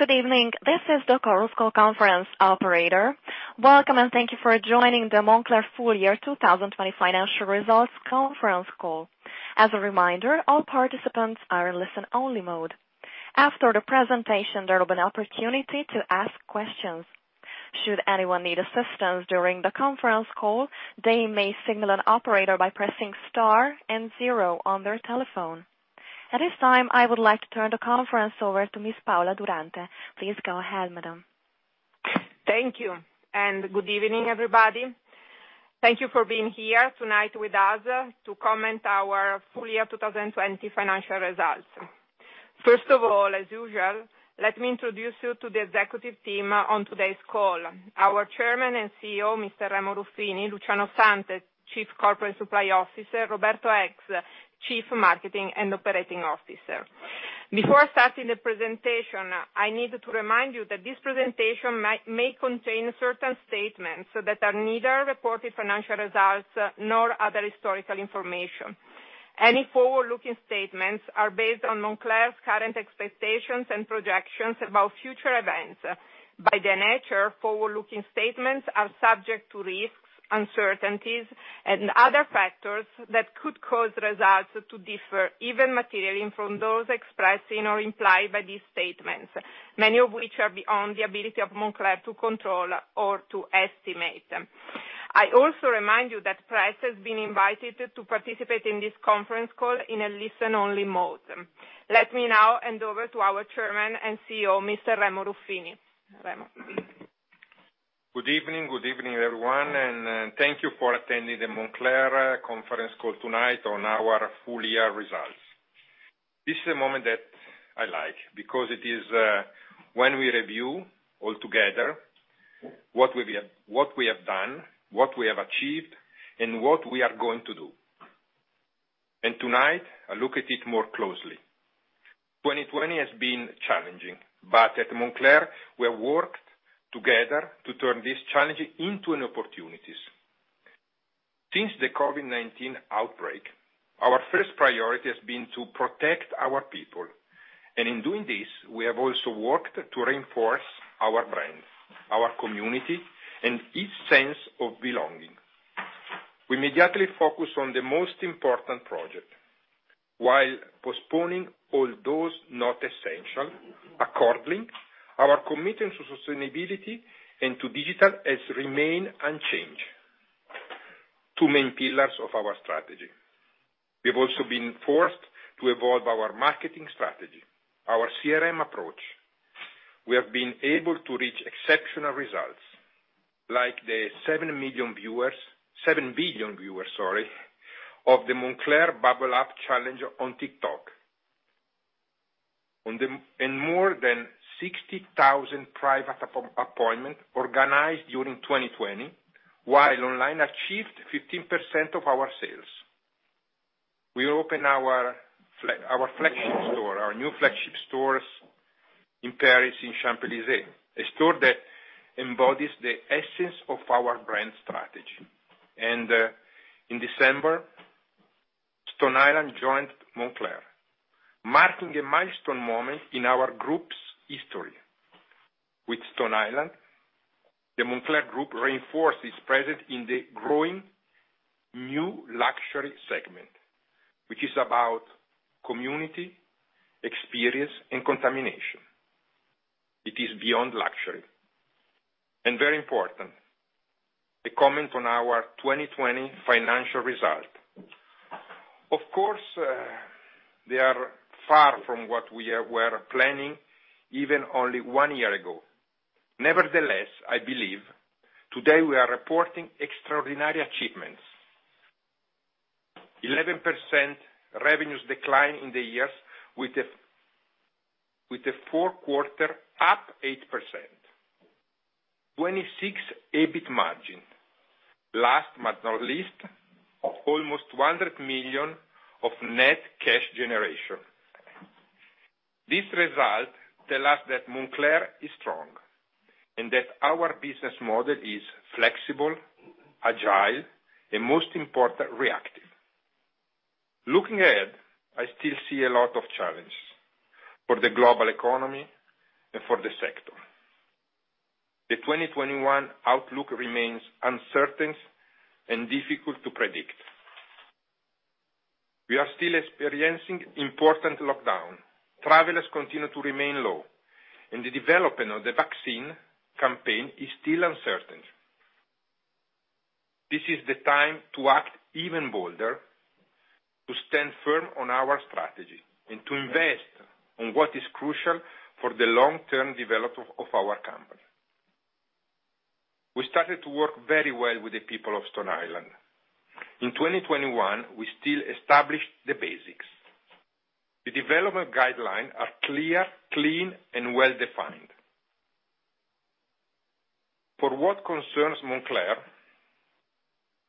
Good evening. This is the Chorus Call conference operator. Welcome, and thank you for joining the Moncler Full Year 2020 Financial Results conference call. As a reminder, all participants are in listen-only mode. After the presentation, there will be an opportunity to ask questions. Should anyone need assistance during the conference call, they may signal an operator by pressing star and zero on their telephone. At this time, I would like to turn the conference over to Ms. Paola Durante. Please go ahead, madam. Thank you. Good evening, everybody. Thank you for being here tonight with us to comment on our Full Year 2020 financial results. First of all, as usual, let me introduce you to the executive team on today's call. Our Chairman and CEO, Mr. Remo Ruffini, Luciano Santel, Chief Corporate Supply Officer, Roberto Eggs, Chief Marketing and Operating Officer. Before starting the presentation, I need to remind you that this presentation may contain certain statements that are neither reported financial results nor other historical information. Any forward-looking statements are based on Moncler's current expectations and projections about future events. By their nature, forward-looking statements are subject to risks, uncertainties, and other factors that could cause results to differ, even materially, from those expressed in or implied by these statements, many of which are beyond the ability of Moncler to control or to estimate. I also remind you that press has been invited to participate in this conference call in a listen-only mode. Let me now hand over to our Chairman and CEO, Mr. Remo Ruffini. Remo. Good evening, everyone, and thank you for attending the Moncler conference call tonight on our full year results. This is a moment that I like because it is when we review all together what we have done, what we have achieved, and what we are going to do. Tonight, I look at it more closely. 2020 has been challenging, but at Moncler, we have worked together to turn these challenges into opportunities. Since the COVID-19 outbreak, our first priority has been to protect our people, and in doing this, we have also worked to reinforce our brand, our community, and its sense of belonging. We immediately focused on the most important project while postponing all those not essential. Accordingly, our commitment to sustainability and to digital has remained unchanged. Two main pillars of our strategy. We have also been forced to evolve our marketing strategy, our CRM approach. We have been able to reach exceptional results, like the 7 billion viewers of the Moncler Bubble Up challenge on TikTok, and more than 60,000 private appointments organized during 2020, while online achieved 15% of our sales. We opened our new flagship stores in Paris in Champs-Élysées, a store that embodies the essence of our brand strategy. In December, Stone Island joined Moncler, marking a milestone moment in our group's history. With Stone Island, the Moncler group reinforced its presence in the growing new luxury segment, which is about community, experience, and contamination. It is beyond luxury. Very important, a comment on our 2020 financial result. Of course, they are far from what we were planning even only one year ago. Nevertheless, I believe today we are reporting extraordinary achievements. 11% revenues decline in the years with the fourth quarter up 8%. 26% EBIT margin. Last but not least, almost 100 million of net cash generation. This result tells us that Moncler is strong and that our business model is flexible, agile, and most important, reactive. Looking ahead, I still see a lot of challenges for the global economy and for the sector. The 2021 outlook remains uncertain and difficult to predict. We are still experiencing important lockdown. Travelers continue to remain low, and the development of the vaccine campaign is still uncertain. This is the time to act even bolder, to stand firm on our strategy, and to invest in what is crucial for the long-term development of our company. We started to work very well with the people of Stone Island. In 2021, we still established the basics. The development guidelines are clear, clean, and well-defined. For what concerns Moncler,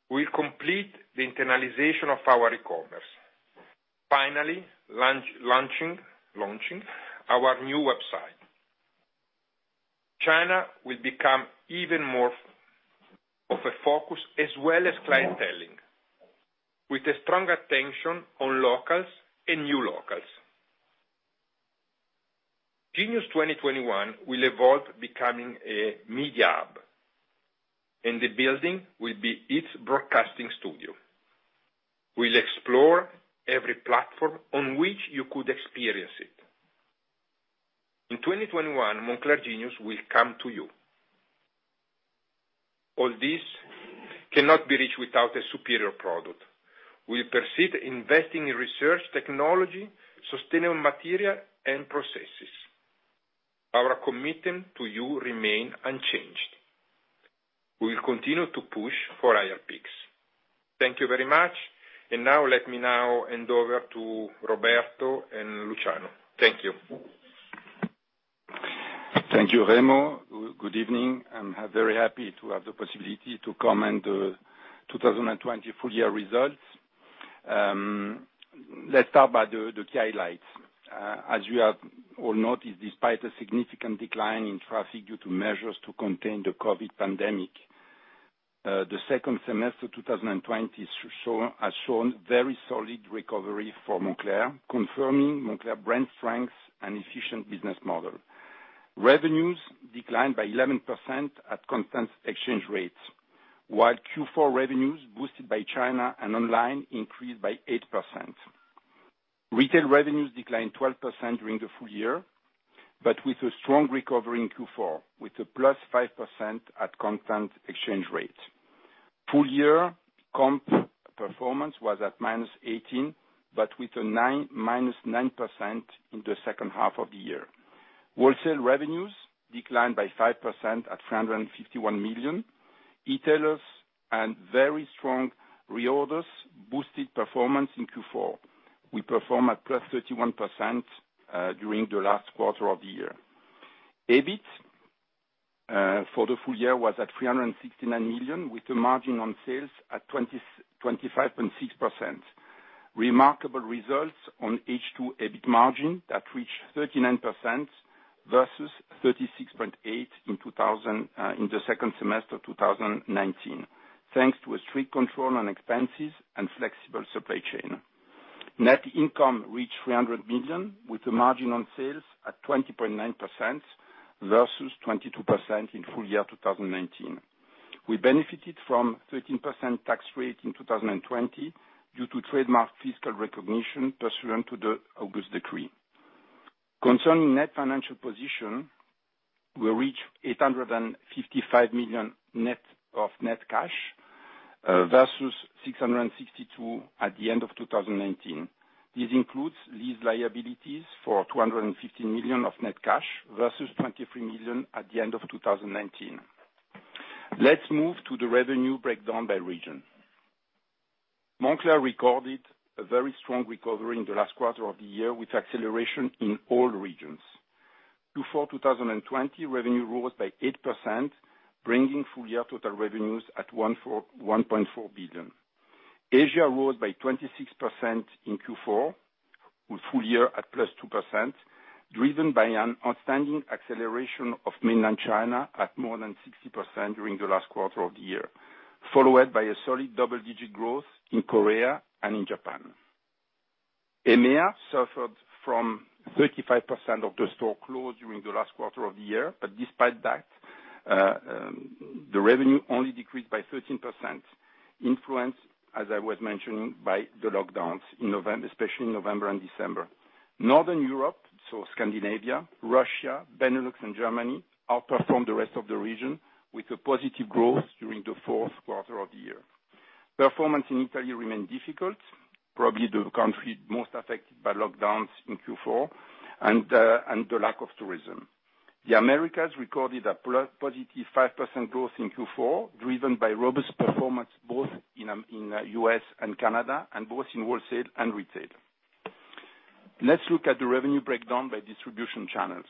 we complete the internalization of our e-commerce, finally launching our new website. China will become even more of a focus as well as clienteling, with a strong attention on locals and new locals. Genius 2021 will evolve becoming a media hub, and the building will be its broadcasting studio. We'll explore every platform on which you could experience it. In 2021, Moncler Genius will come to you. All this cannot be reached without a superior product. We proceed investing in research technology, sustainable material, and processes. Our commitment to you remain unchanged. We'll continue to push for higher peaks. Thank you very much. Now let me now hand over to Roberto and Luciano. Thank you. Thank you, Remo. Good evening, I'm very happy to have the possibility to comment the 2020 full year results. Let's start by the key highlights. As you have all noticed, despite a significant decline in traffic due to measures to contain the COVID pandemic, the second semester 2020 has shown very solid recovery for Moncler, confirming Moncler brand strength and efficient business model. Revenues declined by 11% at constant exchange rates, while Q4 revenues boosted by China and online increased by 8%. Retail revenues declined 12% during the full year, but with a strong recovery in Q4, with a plus 5% at constant exchange rate. Full year comp performance was at -18%, but with a -9% in the second half of the year. Wholesale revenues declined by 5% at 351 million. E-tailers and very strong reorders boosted performance in Q4. We perform at +31% during the last quarter of the year. EBIT for the full year was at 369 million, with the margin on sales at 25.6%. Remarkable results on H2 EBIT margin that reached 39% versus 36.8% in the second semester 2019, thanks to a strict control on expenses and flexible supply chain. Net income reached 300 million with a margin on sales at 20.9% versus 22% in full year 2019. We benefited from 13% tax rate in 2020 due to trademark fiscal recognition pursuant to the August Decree. Concerning net financial position, we reached 855 million net of net cash, versus 662 million at the end of 2019. This includes lease liabilities for 250 million of net cash versus 23 million at the end of 2019. Let's move to the revenue breakdown by region. Moncler recorded a very strong recovery in the last quarter of the year with acceleration in all regions. Q4 2020 revenue rose by 8%, bringing full year total revenues at 1.4 billion. Asia rose by 26% in Q4, with full year at plus 2%, driven by an outstanding acceleration of mainland China at more than 60% during the last quarter of the year, followed by a solid double-digit growth in Korea and in Japan. EMEA suffered from 35% of the store closed during the last quarter of the year, but despite that, the revenue only decreased by 13%, influenced, as I was mentioning, by the lockdowns, especially in November and December. Northern Europe, so Scandinavia, Russia, Belarus and Germany outperformed the rest of the region, with a positive growth during the fourth quarter of the year. Performance in Italy remained difficult, probably the country most affected by lockdowns in Q4 and the lack of tourism. The Americas recorded a positive 5% growth in Q4, driven by robust performance both in U.S. and Canada and both in wholesale and retail. Let's look at the revenue breakdown by distribution channels.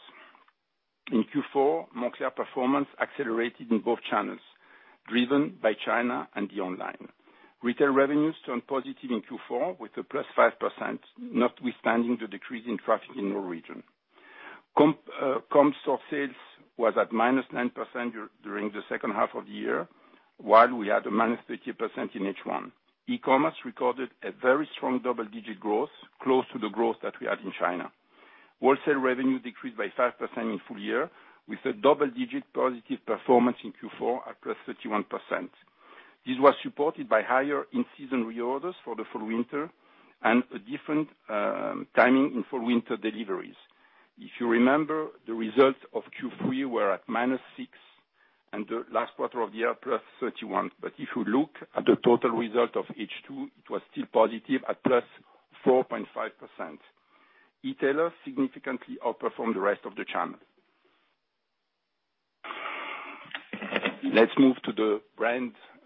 In Q4, Moncler performance accelerated in both channels, driven by China and the online. Retail revenues turned positive in Q4 with a plus 5%, notwithstanding the decrease in traffic in the region. Comp store sales was at -9% during the second half of the year, while we had a -30% in H1. E-commerce recorded a very strong double-digit growth, close to the growth that we had in China. Wholesale revenue decreased by 5% in full year, with a double-digit positive performance in Q4 at plus 31%. This was supported by higher in-season reorders for the Fall/Winter and a different timing in Fall/Winter deliveries. If you remember, the results of Q3 were at -6 and the last quarter of the year plus 31. If you look at the total result of H2, it was still positive at plus 4.5%. E-tailers significantly outperformed the rest of the channel. Let's move to the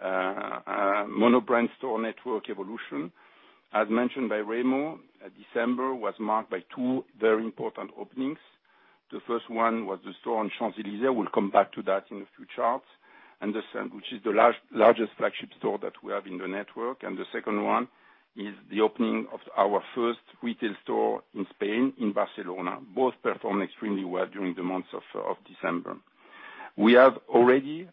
mono-brand store network evolution. As mentioned by Remo, December was marked by two very important openings. The first one was the store on Champs-Élysées. We'll come back to that in a few charts. Which is the largest flagship store that we have in the network, and the second one is the opening of our first retail store in Spain, in Barcelona. Both performed extremely well during the months of December. We have already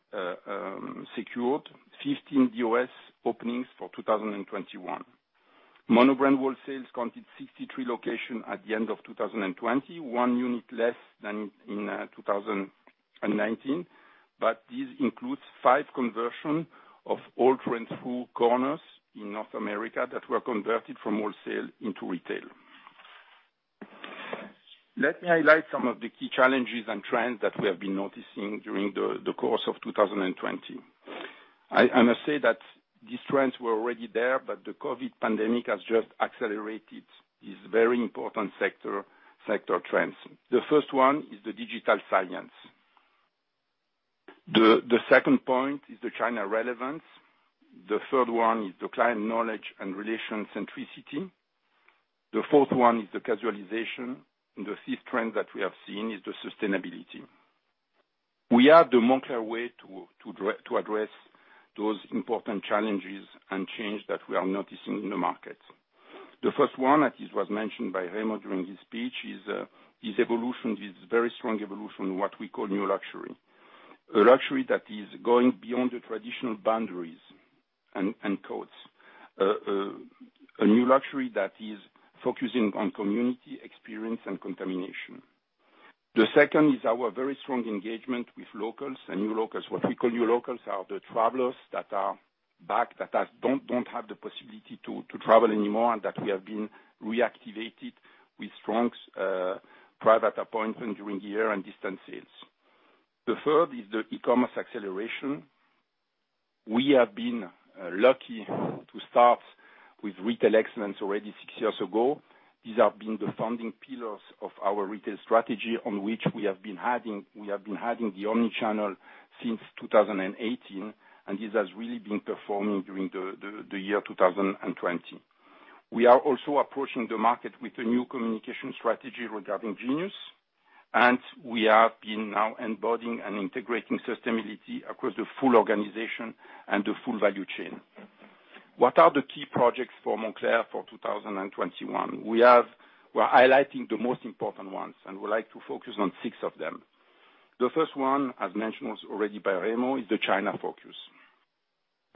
secured 15 U.S. openings for 2021. Monobrand wholesale counted 63 locations at the end of 2020, one unit less than in 2019. This includes five conversion of Holt Renfrew corners in North America that were converted from wholesale into retail. Let me highlight some of the key challenges and trends that we have been noticing during the course of 2020. I must say that these trends were already there. The COVID-19 pandemic has just accelerated these very important sector trends. The first one is the digital science. The second point is the China relevance. The third one is the client knowledge and relation centricity. The fourth one is the casualization, and the fifth trend that we have seen is the sustainability. We have the Moncler Way to address those important challenges and change that we are noticing in the market. The first one, as it was mentioned by Remo during his speech, is evolution, is very strong evolution in what we call new luxury. A luxury that is going beyond the traditional boundaries and codes. A new luxury that is focusing on community experience and contamination. The second is our very strong engagement with locals and new locals. What we call new locals are the travelers that are back, that don't have the possibility to travel anymore, and that we have been reactivated with strong private appointments during the year and distance sales. The third is the e-commerce acceleration. We have been lucky to start with retail excellence already six years ago. These have been the founding pillars of our retail strategy on which we have been having the omnichannel since 2018, this has really been performing during the year 2020. We are also approaching the market with a new communication strategy regarding Genius. We have been now embodying and integrating sustainability across the full organization and the full value chain. What are the key projects for Moncler for 2021? We are highlighting the most important ones. We would like to focus on six of them. The first one, as mentioned already by Remo, is the China focus.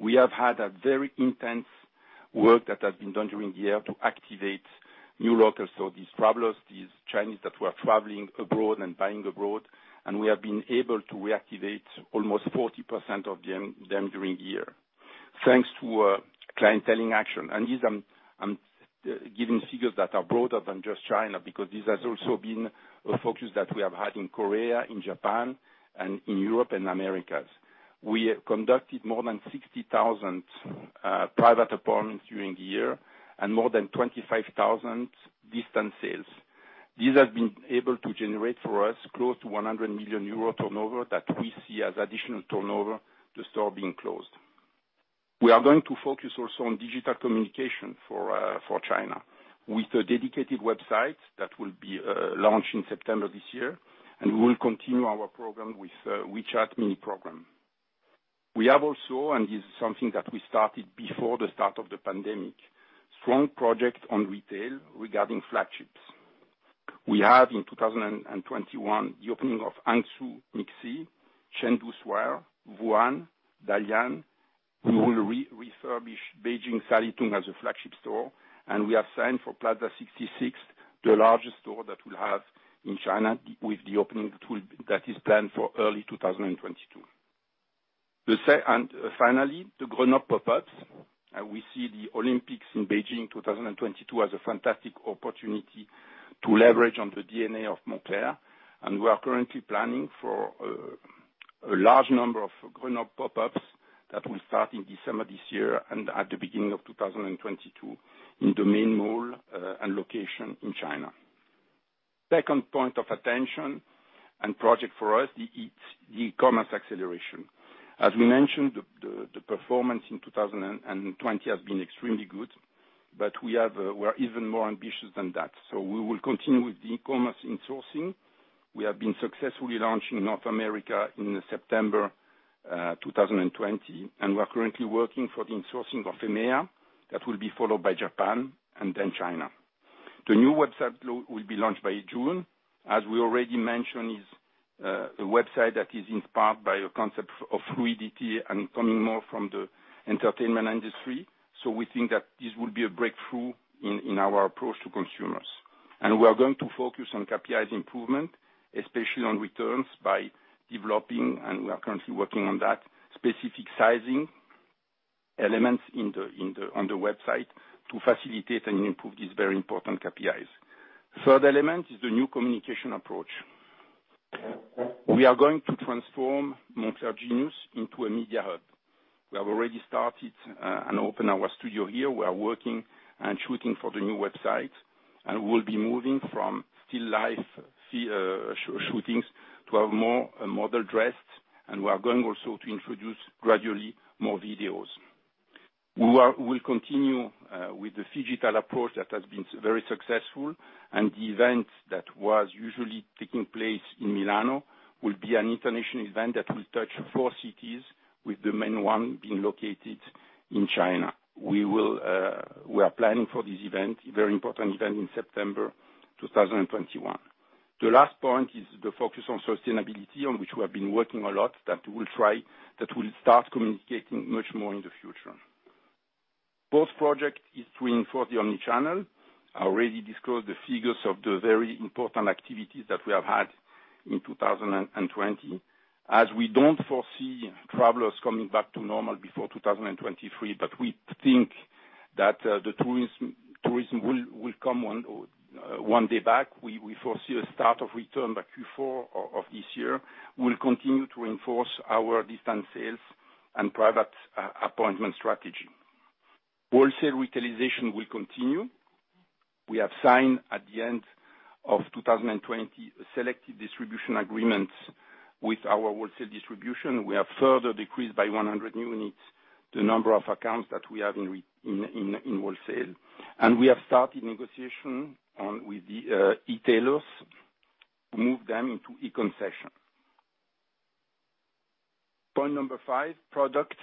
We have had a very intense work that has been done during the year to activate new locals. These travelers, these Chinese that were traveling abroad and buying abroad. We have been able to reactivate almost 40% of them during the year, thanks to a clienteling action. This, I'm giving figures that are broader than just China, because this has also been a focus that we have had in Korea, in Japan, and in Europe and Americas. We conducted more than 60,000 private appointments during the year, more than 25,000 distance sales. This has been able to generate for us close to 100 million euro turnover that we see as additional turnover to store being closed. We are going to focus also on digital communication for China, with a dedicated website that will be launched in September this year. We will continue our program with WeChat mini program. We have also, and this is something that we started before the start of the pandemic, strong project on retail regarding flagships. We have in 2021, the opening of Hangzhou MixC, Chengdu SKP, Wuhan, Dalian. We will refurbish Beijing Sanlitun as a flagship store, we have signed for Plaza 66, the largest store that we'll have in China with the opening that is planned for early 2022. Finally, the Grenoble Pop-ups. We see the Olympics in Beijing 2022 as a fantastic opportunity to leverage on the DNA of Moncler, and we are currently planning for a large number of Grenoble pop-ups that will start in December this year and at the beginning of 2022 in the main mall and location in China. Second point of attention and project for us, it's the e-commerce acceleration. As we mentioned, the performance in 2020 has been extremely good, but we are even more ambitious than that. We will continue with the e-commerce in-sourcing. We have been successfully launching North America in September 2020, and we're currently working for the in-sourcing of EMEA, that will be followed by Japan and then China. The new website will be launched by June. As we already mentioned, it's a website that is inspired by a concept of fluidity and coming more from the entertainment industry. We think that this will be a breakthrough in our approach to consumers. We are going to focus on KPIs improvement, especially on returns, by developing, and we are currently working on that, specific sizing elements on the website to facilitate and improve these very important KPIs. Third element is the new communication approach. We are going to transform Moncler Genius into a media hub. We have already started and opened our studio here. We are working and shooting for the new website, and we'll be moving from still life shootings to have more model dressed, and we are going also to introduce gradually more videos. We will continue with the phygital approach that has been very successful, and the event that was usually taking place in Milano will be an international event that will touch four cities, with the main one being located in China. We are planning for this event, very important event, in September 2021. The last point is the focus on sustainability, on which we have been working a lot, that we'll start communicating much more in the future. Fourth project is to reinforce the omni-channel. I already disclosed the figures of the very important activities that we have had in 2020. We don't foresee travelers coming back to normal before 2023, but we think that the tourism will come one day back, we foresee a start of return by Q4 of this year. We'll continue to reinforce our distance sales and private appointment strategy. Wholesale retailization will continue. We have signed, at the end of 2020, selective distribution agreements with our wholesale distribution. We have further decreased by 100 units the number of accounts that we have in wholesale. We have started negotiation with the e-tailers to move them into e-concession. Point number five, product.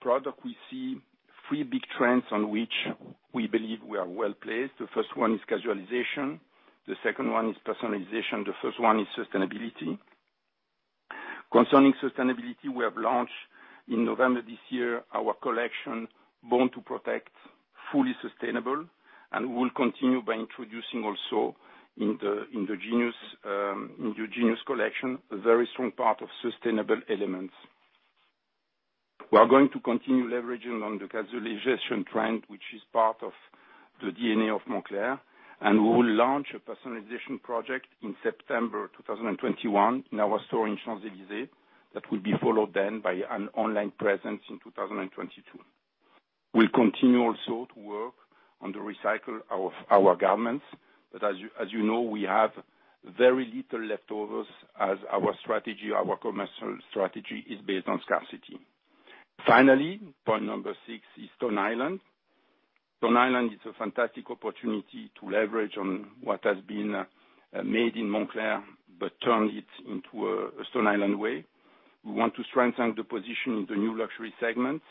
Product, we see three big trends on which we believe we are well-placed. The first one is casualization, the second one is personalization, the third one is sustainability. Concerning sustainability, we have launched, in November this year, our collection, Born to Protect, fully sustainable, and we will continue by introducing also in the Genius collection, a very strong part of sustainable elements. We are going to continue leveraging on the casualization trend, which is part of the DNA of Moncler, and we will launch a personalization project in September 2021 in our store in Champs-Élysées. That will be followed then by an online presence in 2022. We'll continue also to work on the recycle of our garments, but as you know, we have very little leftovers as our commercial strategy is based on scarcity. Finally, point number 6 is Stone Island. Stone Island is a fantastic opportunity to leverage on what has been made in Moncler, but turn it into a Stone Island way. We want to strengthen the position in the new luxury segment.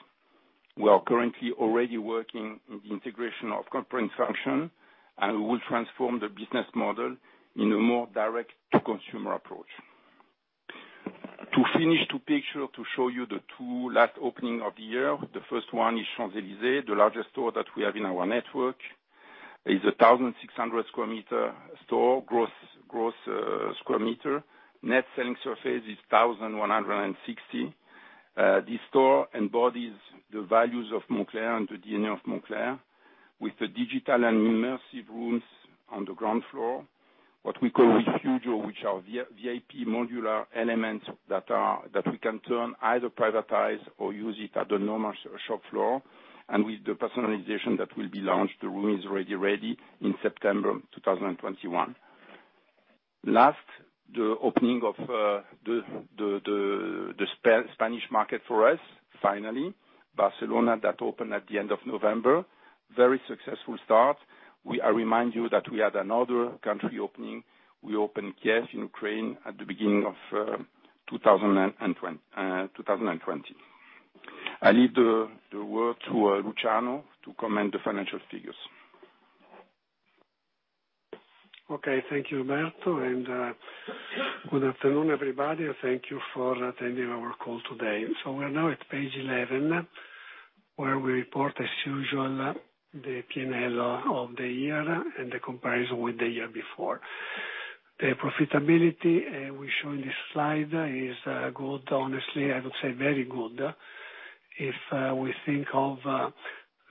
We are currently already working on the integration of corporate functions, and we will transform the business model in a more Direct-to-Consumer approach. To finish, two picture to show you the two last opening of the year. The first one is Champs-Élysées, the largest store that we have in our network. It is 1,600 sq m store, gross sq m. Net selling surface is 1,160 sq m. This store embodies the values of Moncler and the DNA of Moncler, with the digital and immersive rooms on the ground floor. What we call refugio, which are VIP modular elements that we can turn either privatized or use it at the normal shop floor. With the personalization that will be launched, the room is already ready in September 2021. Last, the opening of the Spanish market for us, finally. Barcelona, that opened at the end of November. Very successful start. I remind you that we had another country opening. We opened Kyiv in Ukraine at the beginning of 2020. I leave the word to Luciano to comment the financial figures. Okay. Thank you, Roberto, good afternoon, everybody. Thank you for attending our call today. We are now at page 11, where we report, as usual, the P&L of the year and the comparison with the year before. The profitability, we show in this slide, is good. Honestly, I would say very good if we think of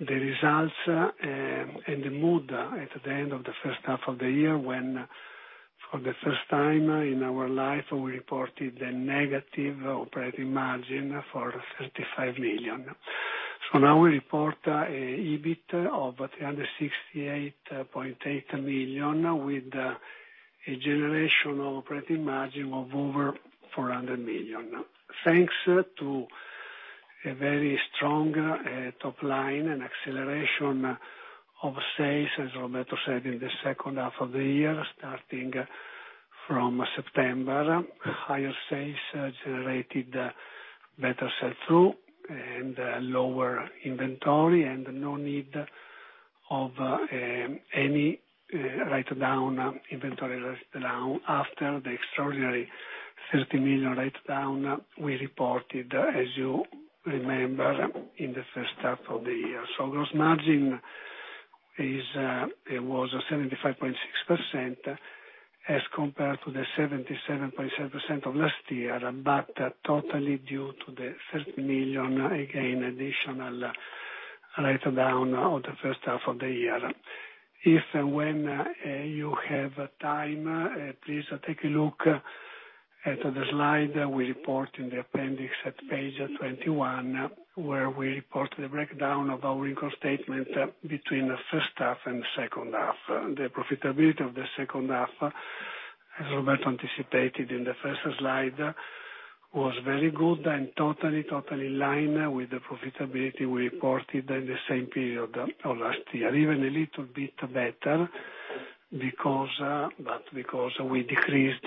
the results and the mood at the end of the first half of the year when, for the first time in our life, we reported a negative operating margin for 35 million. Now we report EBIT of 368.8 million, with a generation of operating margin of over 400 million. Thanks to a very strong top line and acceleration of sales, as Roberto said, in the second half of the year, starting from September. Higher sales generated better sell-through and lower inventory, no need of any inventory write-down, after the extraordinary 30 million write-down we reported, as you remember, in the first half of the year. Gross margin was 75.6% as compared to the 77.7% of last year, totally due to the 30 million, again, additional write-down of the first half of the year. If and when you have time, please take a look at the slide we report in the appendix at page 21, where we report the breakdown of our income statement between the first half and second half. The profitability of the second half, as Roberto anticipated in the first slide was very good and totally in line with the profitability we reported in the same period of last year. Even a little bit better, because we decreased.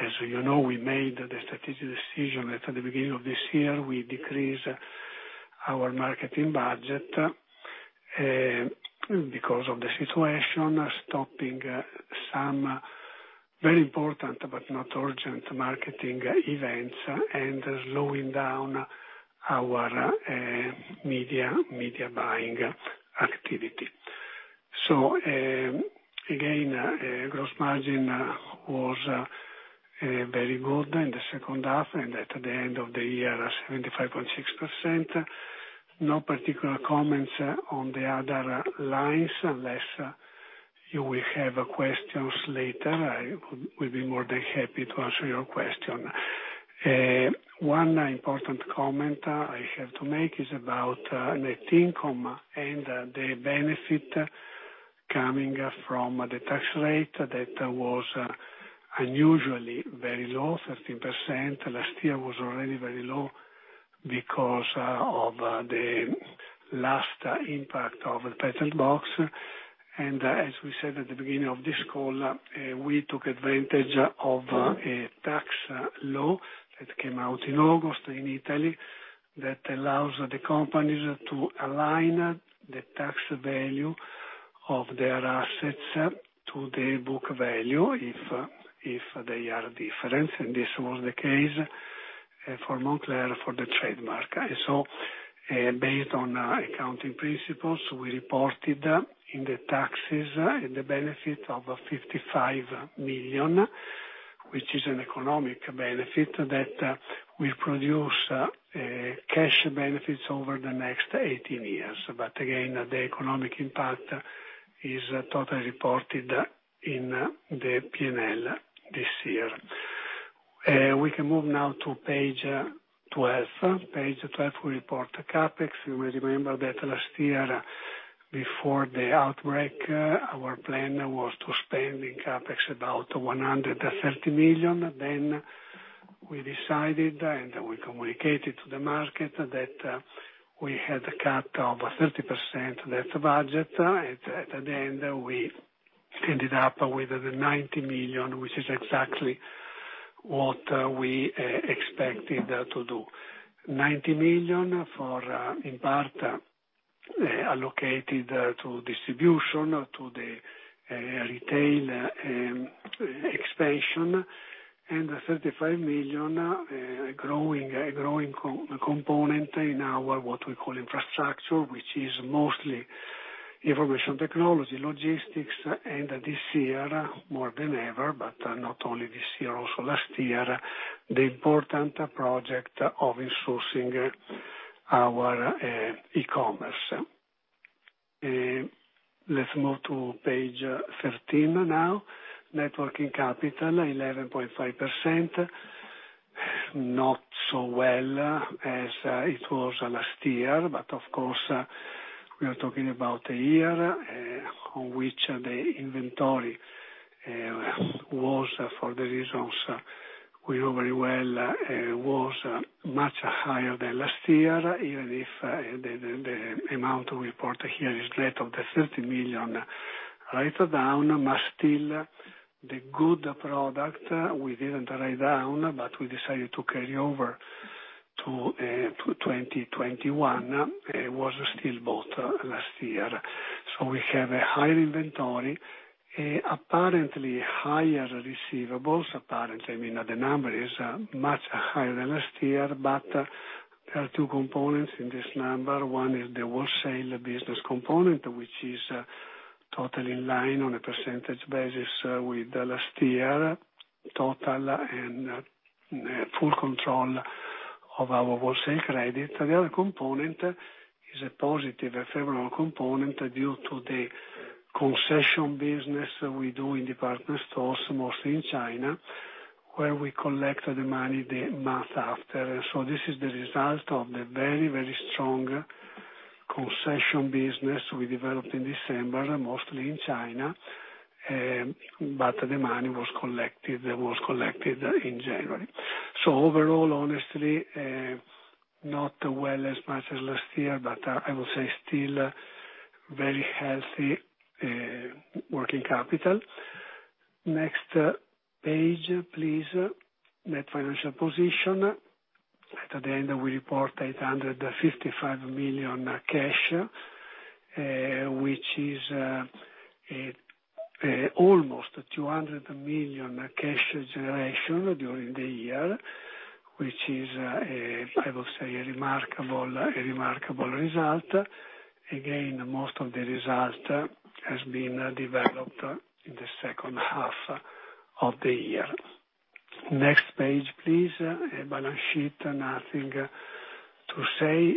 As you know, we made the strategic decision at the beginning of this year, we decrease our marketing budget because of the situation, stopping some very important but not urgent marketing events and slowing down our media buying activity. Again, gross margin was very good in the second half and at the end of the year, 75.6%. No particular comments on the other lines. Unless you will have questions later, I will be more than happy to answer your question. One important comment I have to make is about net income and the benefit coming from the tax rate that was unusually very low, 13%. Last year was already very low because of the last impact of the patent box. As we said at the beginning of this call, we took advantage of a tax law that came out in August in Italy that allows the companies to align the tax value of their assets to the book value if there are difference, and this was the case for Moncler for the trademark. Based on accounting principles, we reported in the taxes and the benefit of 55 million, which is an economic benefit that will produce cash benefits over the next 18 years. Again, the economic impact is totally reported in the P&L this year. We can move now to page 12. Page 12, we report CapEx. You may remember that last year before the outbreak, our plan was to spend in CapEx about 130 million. We decided, and we communicated to the market, that we had a cut of 30% that budget. At the end, we ended up with 90 million, which is exactly what we expected to do. 90 million in part allocated to distribution to the retail expansion and 35 million growing component in our, what we call infrastructure, which is mostly information technology, logistics. This year, more than ever, but not only this year, also last year, the important project of insourcing our e-commerce. Let's move to page 13 now. Net working capital 11.5%, not so well as it was last year. Of course, we are talking about a year on which the inventory was for the reasons we know very well, was much higher than last year, even if the amount we report here is straight of the 30 million write-down must still the good product we didn't write down, but we decided to carry over to 2021, was still bought last year. We have a higher inventory, apparently higher receivables. Apparently, I mean, the number is much higher than last year, but there are two components in this number. One is the wholesale business component, which is totally in line on a percentage basis with last year total and full control of our wholesale credit. The other component is a positive ephemeral component due to the concession business we do in department stores, mostly in China, where we collect the money the month after. This is the result of the very, very strong concession business we developed in December, mostly in China. The money was collected in January. Overall, honestly, not well as much as last year, but I will say still very healthy working capital. Next page, please. Net financial position. At the end, we report 855 million cash, which is almost 200 million cash generation during the year, which is, I will say, a remarkable result. Again, most of the result has been developed in the second half of the year. Next page, please. Balance sheet. Nothing to say,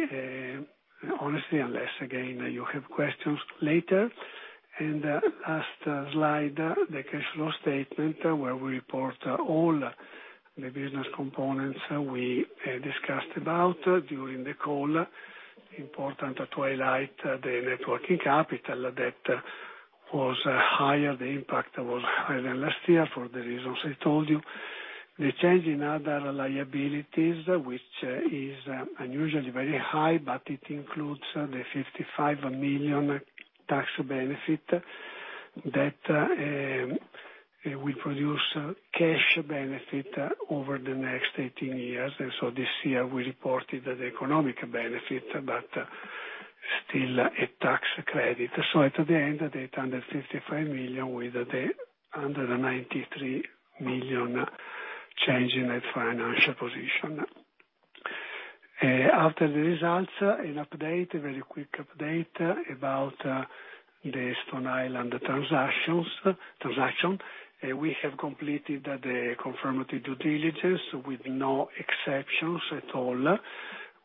honestly, unless, again, you have questions later. Last slide, the cash flow statement where we report all the business components we discussed about during the call. Important to highlight the networking capital that was higher. The impact was higher than last year for the reasons I told you. The change in other liabilities, which is unusually very high, but it includes the 55 million tax benefit that will produce cash benefit over the next 18 years. This year we reported the economic benefit, but still a tax credit. At the end, the 855 million with the 193 million change in net financial position. After the results, an update, very quick update about the Stone Island transaction. We have completed the confirmatory due diligence with no exceptions at all.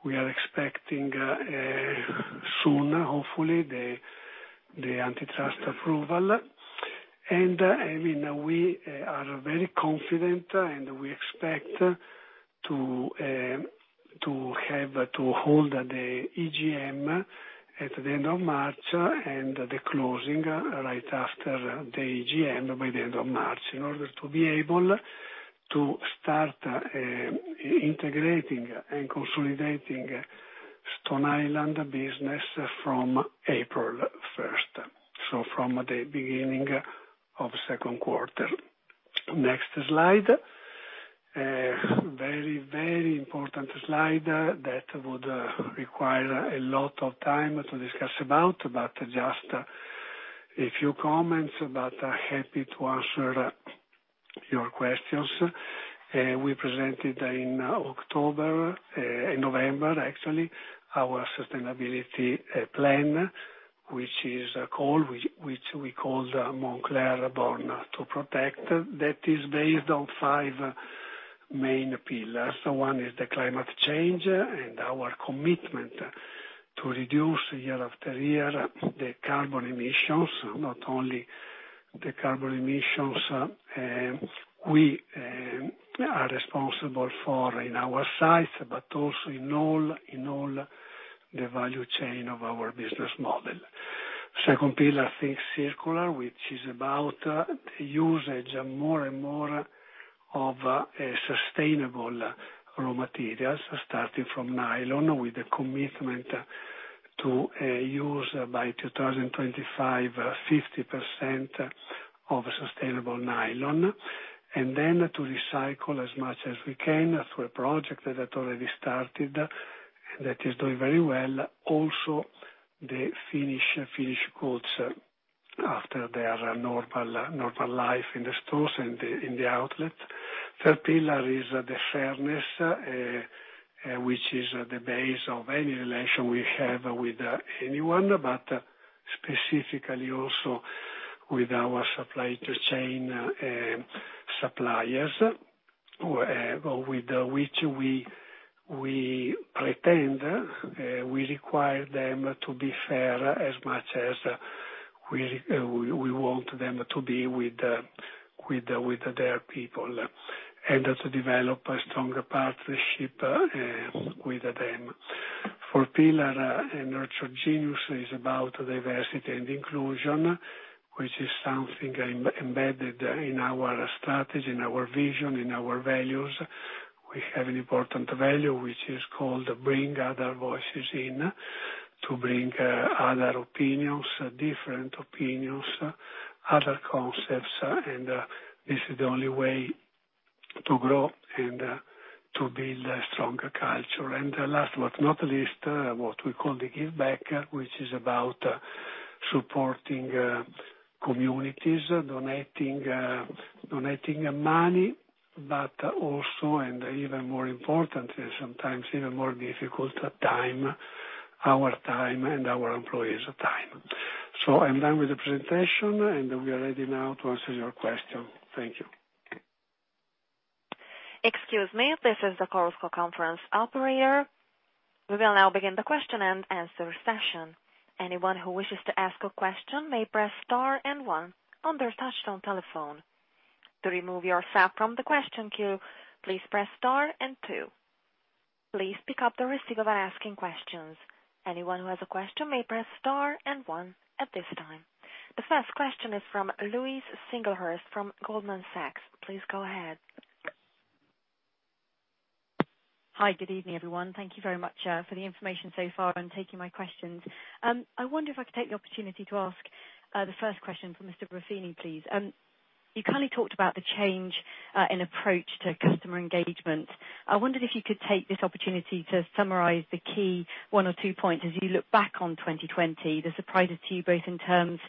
We are expecting soon, hopefully, the antitrust approval. We are very confident, and we expect to hold the EGM at the end of March and the closing right after the EGM by the end of March in order to be able to start integrating and consolidating Stone Island business from April 1st. From the beginning of second quarter. Next slide. Very important slide that would require a lot of time to discuss about, but just a few comments, but happy to answer your questions. We presented in October, in November actually, our sustainability plan, which we call the Moncler Born to Protect, that is based on 5 main pillars. One is the climate change and our commitment to reduce year after year the carbon emissions. Not only the carbon emissions we are responsible for in our sites, but also in all the value chain of our business model. Second pillar, Think Circular, which is about the usage more and more of sustainable raw materials, starting from nylon, with a commitment to use by 2025, 50% of sustainable nylon. To recycle as much as we can through a project that already started and that is doing very well. Also, the finish coats after their normal life in the stores and in the outlet. Third pillar is the fairness, which is the base of any relation we have with anyone, but specifically also with our supply chain suppliers, with which we require them to be fair as much as we want them to be with their people, and to develop a stronger partnership with them. Fourth pillar, Nurture Genius, is about diversity and inclusion, which is something embedded in our strategy, in our vision, in our values. We have an important value, which is called Bring Other Voices In, to bring other opinions, different opinions, other concepts, and this is the only way to grow and to build a stronger culture. Last but not least, what we call the Give Back, which is about supporting communities, donating money, but also, and even more importantly, sometimes even more difficult, time, our time and our employees' time. I'm done with the presentation, and we are ready now to answer your question. Thank you. Excuse me. This is the Chorus Call Conference Operator. We will now begin the question-and-answer session. Anyone who wishes to ask a question may press star and one on their touch tone telephone. To remove yourself from the question queue, please press star and two. Please pick up the receiver when asking questions. Anyone with a question may press star and one at this time. The first question is from Louise Singlehurst from Goldman Sachs. Please go ahead. Hi. Good evening, everyone. Thank you very much for the information so far and taking my questions. I wonder if I could take the opportunity to ask the first question for Mr. Ruffini, please. You kindly talked about the change in approach to customer engagement. I wondered if you could take this opportunity to summarize the key one or two points as you look back on 2020, the surprises to you both in terms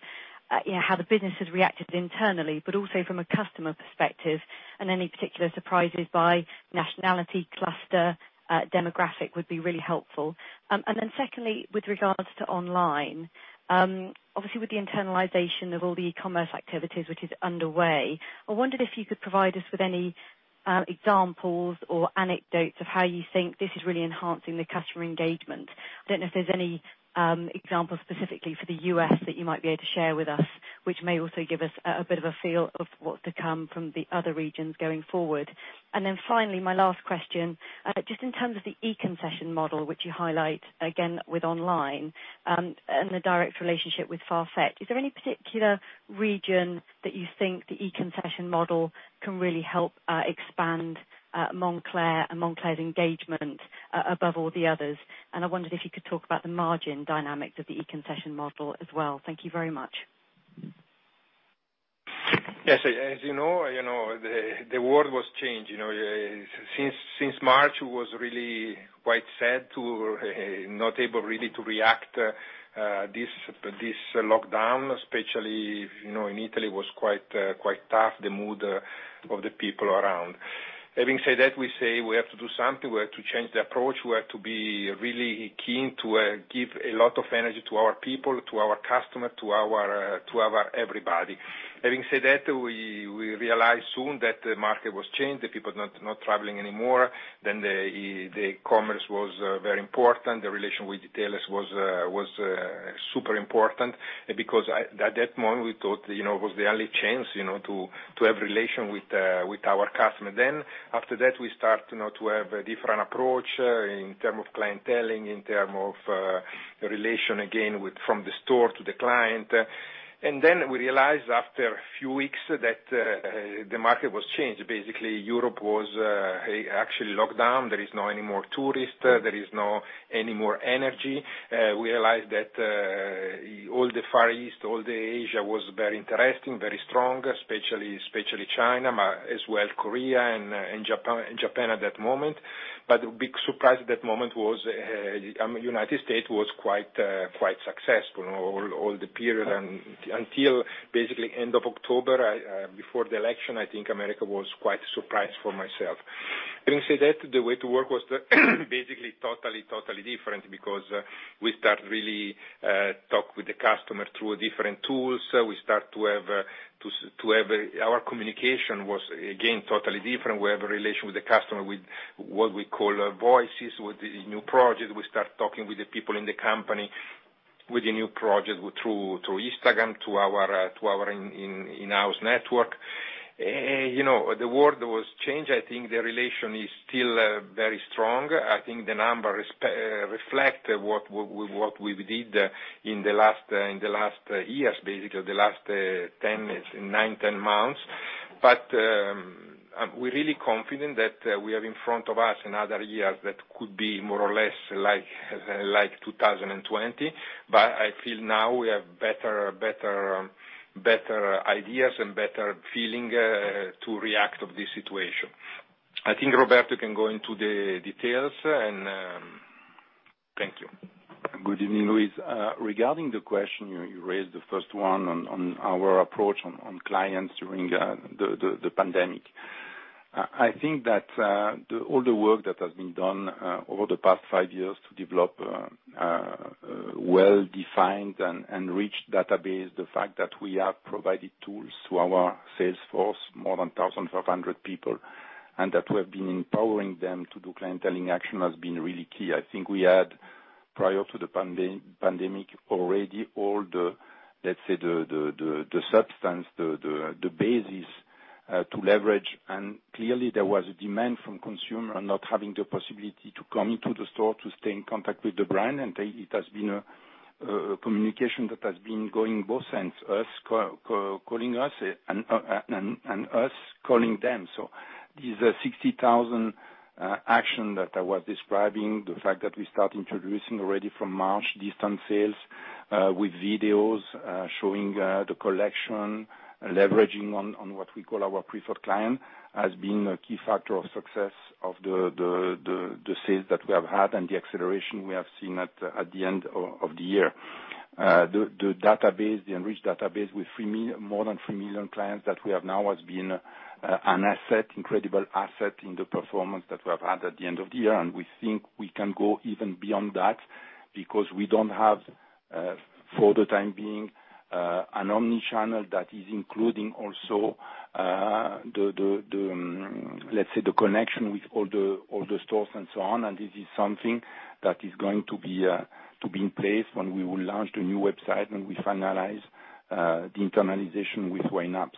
how the business has reacted internally, but also from a customer perspective, and any particular surprises by nationality, cluster, demographic would be really helpful. Secondly, with regards to online, obviously with the internalization of all the e-commerce activities which is underway, I wondered if you could provide us with any examples or anecdotes of how you think this is really enhancing the customer engagement. I don't know if there's any examples specifically for the U.S. that you might be able to share with us, which may also give us a bit of a feel of what's to come from the other regions going forward. Finally, my last question, just in terms of the e-concession model, which you highlight again with online, and the direct relationship with Farfetch, is there any particular region that you think the e-concession model can really help expand Moncler and Moncler's engagement above all the others? I wondered if you could talk about the margin dynamics of the e-concession model as well. Thank you very much. Yes. As you know, the world was changed. Since March, it was really quite sad to not able really to react to this lockdown, especially in Italy, was quite tough, the mood of the people around. Having said that, we say we have to do something. We have to change the approach. We have to be really keen to give a lot of energy to our people, to our customer, to our everybody. Having said that, we realized soon that the market was changed, the people not traveling anymore. The commerce was very important. The relation with retailers was super important because at that moment, we thought it was the only chance to have relation with our customer. After that, we start to have a different approach in term of clienteling, in term of relation again from the store to the client. We realized after a few weeks that the market was changed. Basically, Europe was actually locked down. There is no any more tourist. There is no any more energy. We realized that all the Far East, all the Asia was very interesting, very strong, especially China, as well Korea and Japan at that moment. The big surprise at that moment was United States was quite successful all the period until basically end of October. Before the election, I think America was quite a surprise for myself. Having said that, the way to work was basically totally different because we start really talk with the customer through different tools. Our communication was, again, totally different. We have a relation with the customer with what we call Voices, with the new project. We start talking with the people in the company with the new project through Instagram, to our in-house network. The world was changed. I think the relation is still very strong. I think the numbers reflect what we did in the last years, basically, the last nine, 10 months. We're really confident that we have in front of us another year that could be more or less like 2020. I feel now we have better ideas and better feeling to react of this situation. I think Roberto can go into the details, and thank you. Good evening, Louise. Regarding the question you raised, the first one, on our approach on clients during the pandemic, I think that all the work that has been done over the past five years to develop a well-defined and rich database, the fact that we have provided tools to our sales force, more than 1,500 people, and that we have been empowering them to do clienteling action has been really key. I think we had, prior to the pandemic already, all the, let's say, the substance, the basis to leverage. Clearly there was a demand from consumer not having the possibility to come into the store to stay in contact with the brand, and it has been a communication that has been going both senses, us calling us and us calling them. These 60,000 action that I was describing, the fact that we start introducing already from March distance sales, with videos showing the collection, leveraging on what we call our preferred client, has been a key factor of success of the sales that we have had and the acceleration we have seen at the end of the year. The enriched database with more than 3 million clients that we have now has been an incredible asset in the performance that we have had at the end of the year, and we think we can go even beyond that because we don't have, for the time being, an omni-channel that is including also, let's say, the connection with all the stores and so on. This is something that is going to be in place when we will launch the new website, when we finalize the internalization with YNAP.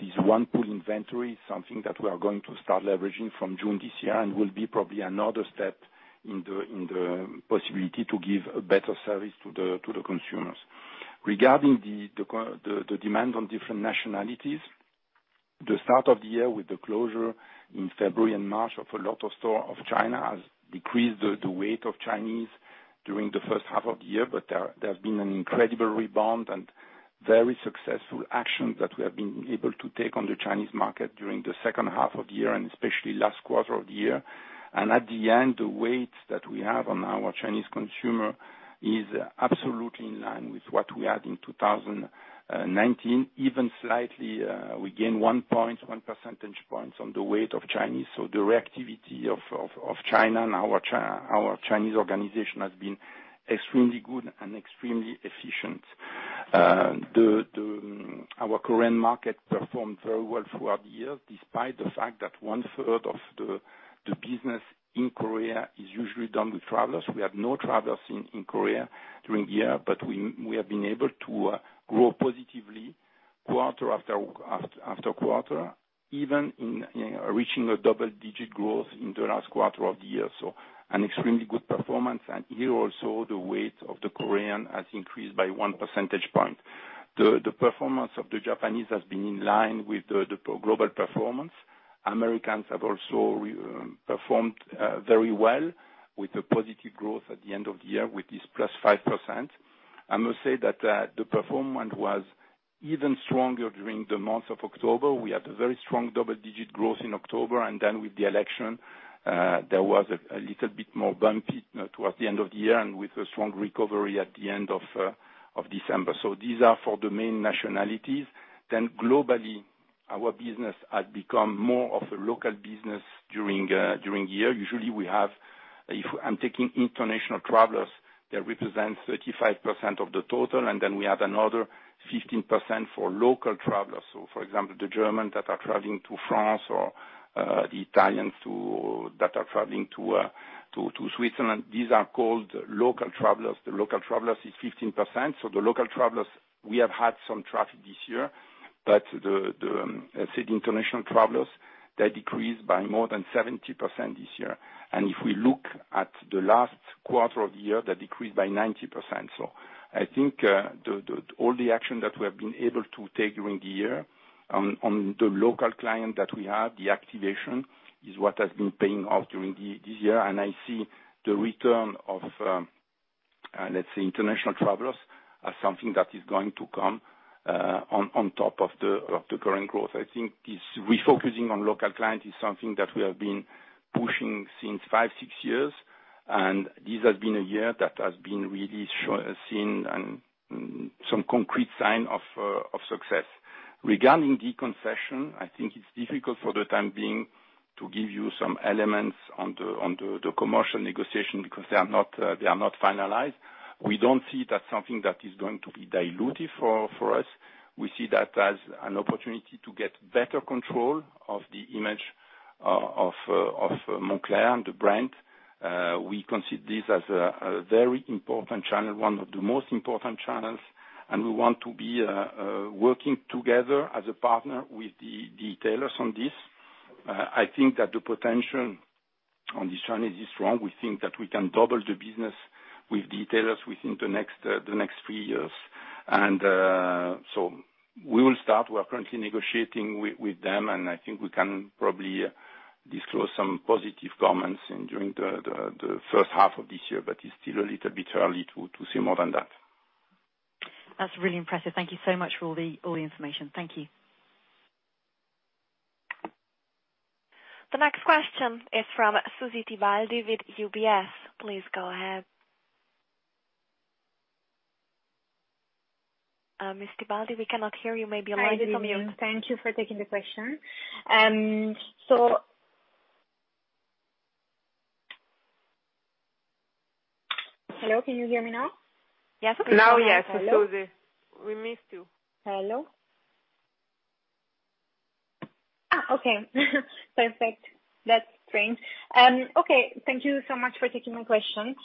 This one pool inventory is something that we are going to start leveraging from June this year and will be probably another step in the possibility to give a better service to the consumers. Regarding the demand on different nationalities, the start of the year with the closure in February and March of a lot of store of China has decreased the weight of Chinese during the first half of the year. There has been an incredible rebound and very successful action that we have been able to take on the Chinese market during the second half of the year and especially last quarter of the year. At the end, the weight that we have on our Chinese consumer is absolutely in line with what we had in 2019. Even slightly, we gain one percentage points on the weight of Chinese. The reactivity of China and our Chinese organization has been extremely good and extremely efficient. Our Korean market performed very well throughout the year, despite the fact that one-third of the business in Korea is usually done with travelers. We have no travelers in Korea during the year, but we have been able to grow positively quarter after quarter, even in reaching a double-digit growth in the last quarter of the year. An extremely good performance, and here also, the weight of the Korean has increased by one percentage point. The performance of the Japanese has been in line with the global performance. Americans have also performed very well with a positive growth at the end of the year with this +5%. I must say that the performance was even stronger during the month of October. We had a very strong double-digit growth in October, and then with the election, there was a little bit more bumpy towards the end of the year and with a strong recovery at the end of December. These are for the main nationalities. Globally, our business has become more of a local business during the year. Usually, we have, if I'm taking international travelers, that represents 35% of the total, and then we have another 15% for local travelers. For example, the Germans that are traveling to France or the Italians that are traveling to Switzerland, these are called local travelers. The local travelers is 15%. The local travelers, we have had some traffic this year, but the international travelers, they decreased by more than 70% this year. If we look at the last quarter of the year, they decreased by 90%. I think all the action that we have been able to take during the year on the local client that we have, the activation is what has been paying off during this year. I see the return of, let's say, international travelers, as something that is going to come on top of the current growth. I think this refocusing on local client is something that we have been pushing since five, six years, and this has been a year that has been really seen and some concrete sign of success. Regarding the concession, I think it's difficult for the time being to give you some elements on the commercial negotiation because they are not finalized. We don't see that something that is going to be dilutive for us. We see that as an opportunity to get better control of the image of Moncler and the brand. We consider this as a very important channel, one of the most important channels, and we want to be working together as a partner with the retailers on this. I think that the potential on this channel is strong. We think that we can double the business with retailers within the next three years. We will start, we are currently negotiating with them, and I think we can probably disclose some positive comments during the first half of this year, but it's still a little bit early to see more than that. That's really impressive. Thank you so much for all the information. Thank you. The next question is from Susy Tibaldi with UBS. Please go ahead. Ms. Tibaldi, we cannot hear you. Maybe you are on mute. Hi, everybody. Thank you for taking the question. Hello, can you hear me now? Now yes, Susy. We missed you. Hello. Okay. Perfect. That's strange. Okay, thank you so much for taking my question.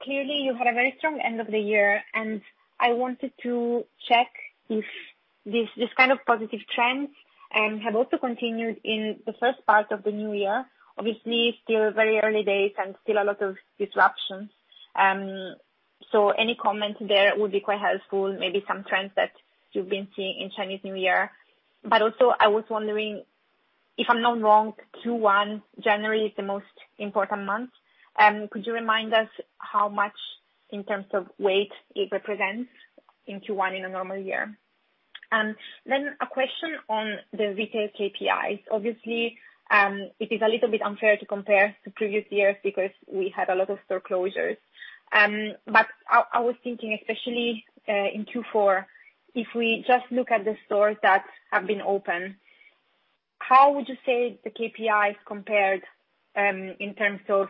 Clearly, you had a very strong end of the year, and I wanted to check if this kind of positive trends have also continued in the first part of the new year. Obviously, still very early days and still a lot of disruptions. Any comment there would be quite helpful, maybe some trends that you've been seeing in Chinese New Year. Also, I was wondering, if I'm not wrong, Q1, January is the most important month. Could you remind us how much in terms of weight it represents in Q1 in a normal year? A question on the retail KPIs. Obviously, it is a little bit unfair to compare to previous years because we had a lot of store closures. I was thinking, especially, in Q4, if we just look at the stores that have been open, how would you say the KPIs compared in terms of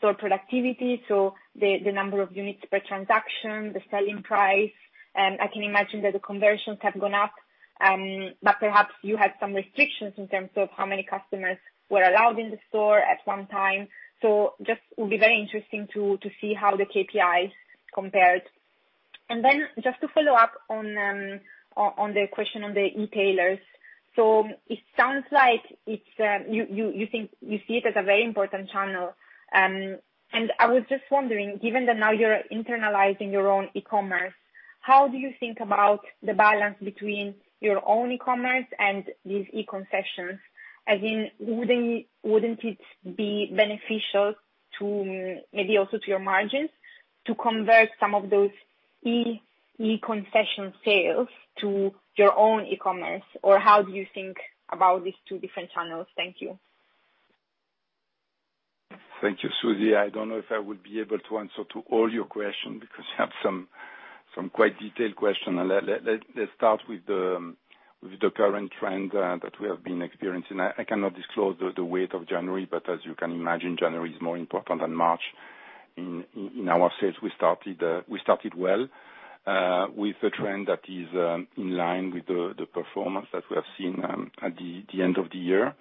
store productivity, so the number of units per transaction, the selling price? I can imagine that the conversions have gone up, but perhaps you had some restrictions in terms of how many customers were allowed in the store at one time. Just would be very interesting to see how the KPIs compared. Then just to follow up on the question on the e-tailers. It sounds like you see it as a very important channel. I was just wondering, given that now you're internalizing your own e-commerce, how do you think about the balance between your own e-commerce and these e-concessions? Wouldn't it be beneficial to maybe also to your margins to convert some of those e-concession sales to your own e-commerce? How do you think about these two different channels? Thank you. Thank you, Susy. I don't know if I would be able to answer to all your questions because you have some quite detailed question. Let's start with the current trend that we have been experiencing. I cannot disclose the weight of January, but as you can imagine, January is more important than March in our sales. We started well with a trend that is in line with the performance that we have seen at the end of the year.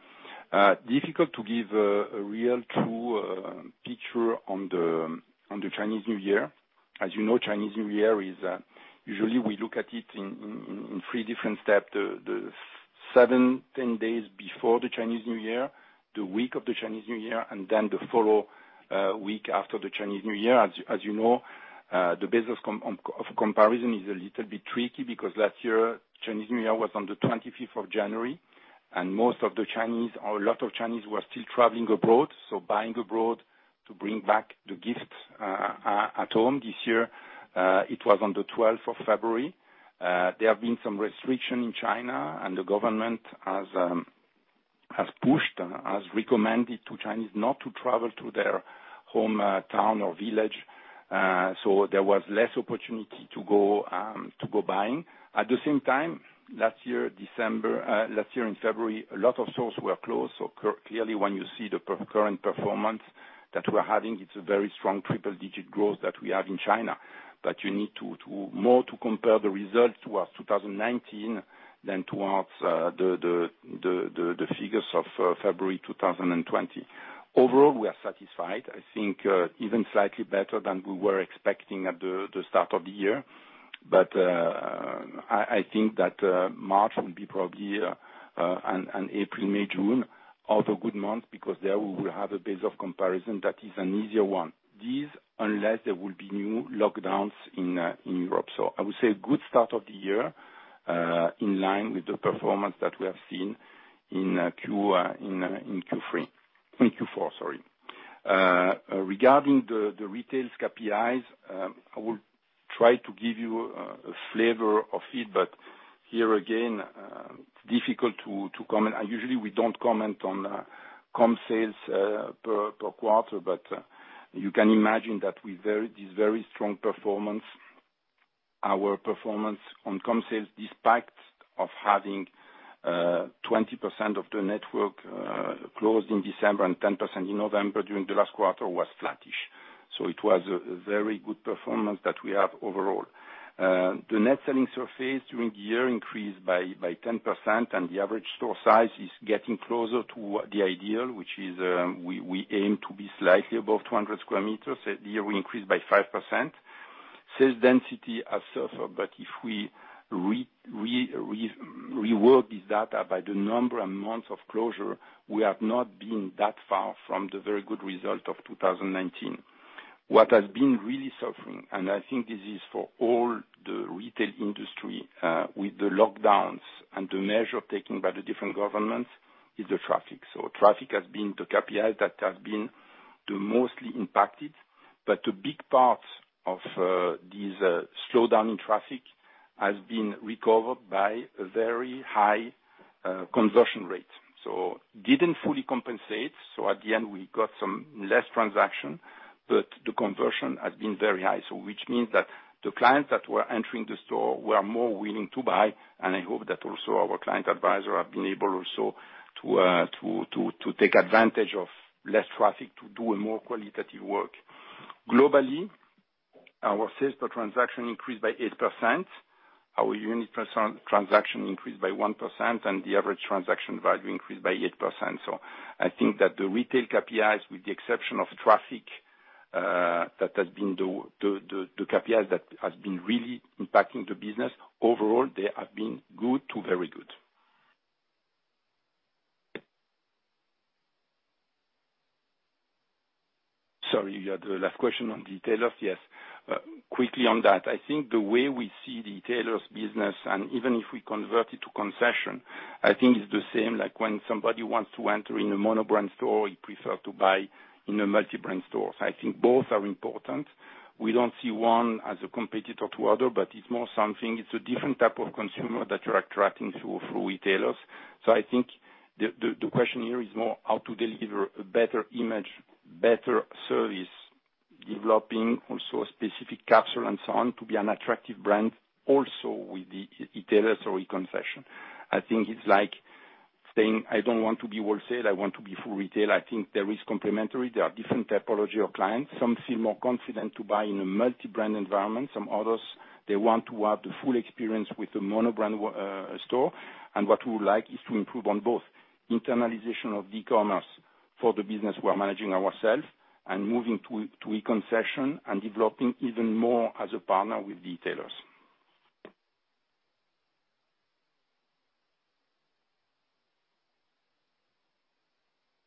Difficult to give a real true picture on the Chinese New Year. As you know, Chinese New Year, usually we look at it in three different steps. The seven, 10 days before the Chinese New Year, the week of the Chinese New Year, and then the follow week after the Chinese New Year, as you know. The basis of comparison is a little bit tricky because last year, Chinese New Year was on the 25th of January, and most of the Chinese, or a lot of Chinese were still traveling abroad, so buying abroad to bring back the gifts at home. This year, it was on the 12th of February. There have been some restriction in China, and the government has pushed and has recommended to Chinese not to travel to their hometown or village. There was less opportunity to go buying. At the same time, last year in February, a lot of stores were closed. Clearly when you see the current performance that we're having, it's a very strong triple digit growth that we have in China. You need more to compare the results towards 2019 than towards the figures of February 2020. Overall, we are satisfied, I think, even slightly better than we were expecting at the start of the year. I think that March will be probably, and April, May, June, also good months, because there we will have a base of comparison that is an easier one. This, unless there will be new lockdowns in Europe. I would say a good start of the year, in line with the performance that we have seen in Q3. In Q4, sorry. Regarding the retail KPIs, I will try to give you a flavor of it, but here again, difficult to comment. Usually we don't comment on comp sales per quarter. You can imagine that this very strong performance, our performance on comp sales, despite of having 20% of the network closed in December and 10% in November during the last quarter was flattish. It was a very good performance that we have overall. The net selling surface during the year increased by 10%, and the average store size is getting closer to the ideal, which is we aim to be slightly above 200 sq m. That year we increased by 5%. Sales density has suffered, but if we reword this data by the number and months of closure, we have not been that far from the very good result of 2019. What has been really suffering, and I think this is for all the retail industry, with the lockdowns and the measure taken by the different governments, is the traffic. traffic has been the KPI that has been the mostly impacted, but the big parts of this slowdown in traffic has been recovered by a very high conversion rate. didn't fully compensate, at the end we got some less transaction, but the conversion has been very high. which means that the clients that were entering the store were more willing to buy, and I hope that also our client advisor have been able also to take advantage of less traffic to do a more qualitative work. Globally, our sales per transaction increased by 8%. Our unit per transaction increased by 1%, and the average transaction value increased by 8%. I think that the retail KPIs, with the exception of traffic, that has been the KPIs that has been really impacting the business. Overall, they have been good to very good. Sorry, the last question on retailers. Yes. Quickly on that. I think the way we see retailers business, and even if we convert it to concession, I think it's the same like when somebody wants to enter in a mono-brand store, he prefer to buy in a multi-brand store. I think both are important. We don't see one as a competitor to other, but it's more something, it's a different type of consumer that you're attracting through retailers. I think the question here is more how to deliver a better image, better service, developing also a specific capsule and so on, to be an attractive brand also with the retailers or e-concession. I think it's like saying, "I don't want to be wholesale, I want to be full retail." I think there is complementary. There are different typology of clients. Some feel more confident to buy in a multi-brand environment. Some others, they want to have the full experience with the mono-brand store. What we would like is to improve on both internalization of e-commerce for the business we're managing ourself, and moving to e-concession and developing even more as a partner with retailers.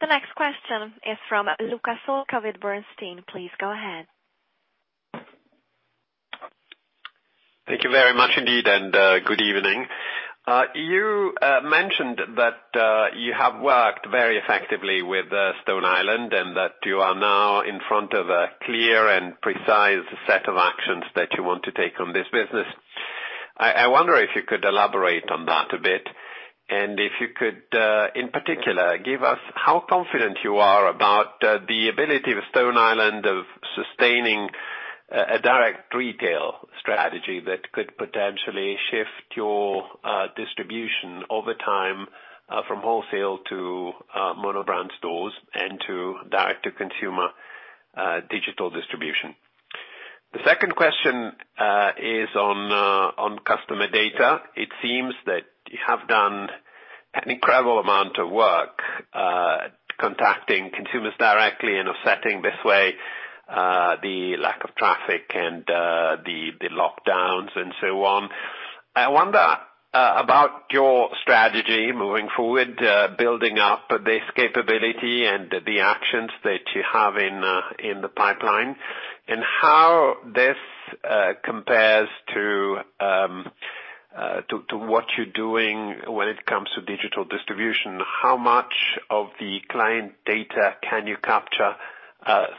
The next question is from Luca Solca with Bernstein. Please go ahead. Thank you very much indeed, and good evening. You mentioned that you have worked very effectively with Stone Island, and that you are now in front of a clear and precise set of actions that you want to take on this business. I wonder if you could elaborate on that a bit, and if you could, in particular, give us how confident you are about the ability of Stone Island of sustaining a direct retail strategy that could potentially shift your distribution over time, from wholesale to mono-brand stores and to direct-to-consumer digital distribution. The second question is on customer data. It seems that you have done an incredible amount of work contacting consumers directly and offsetting this way the lack of traffic and the lockdowns and so on. I wonder about your strategy moving forward, building up this capability and the actions that you have in the pipeline, and how this compares to what you're doing when it comes to digital distribution. How much of the client data can you capture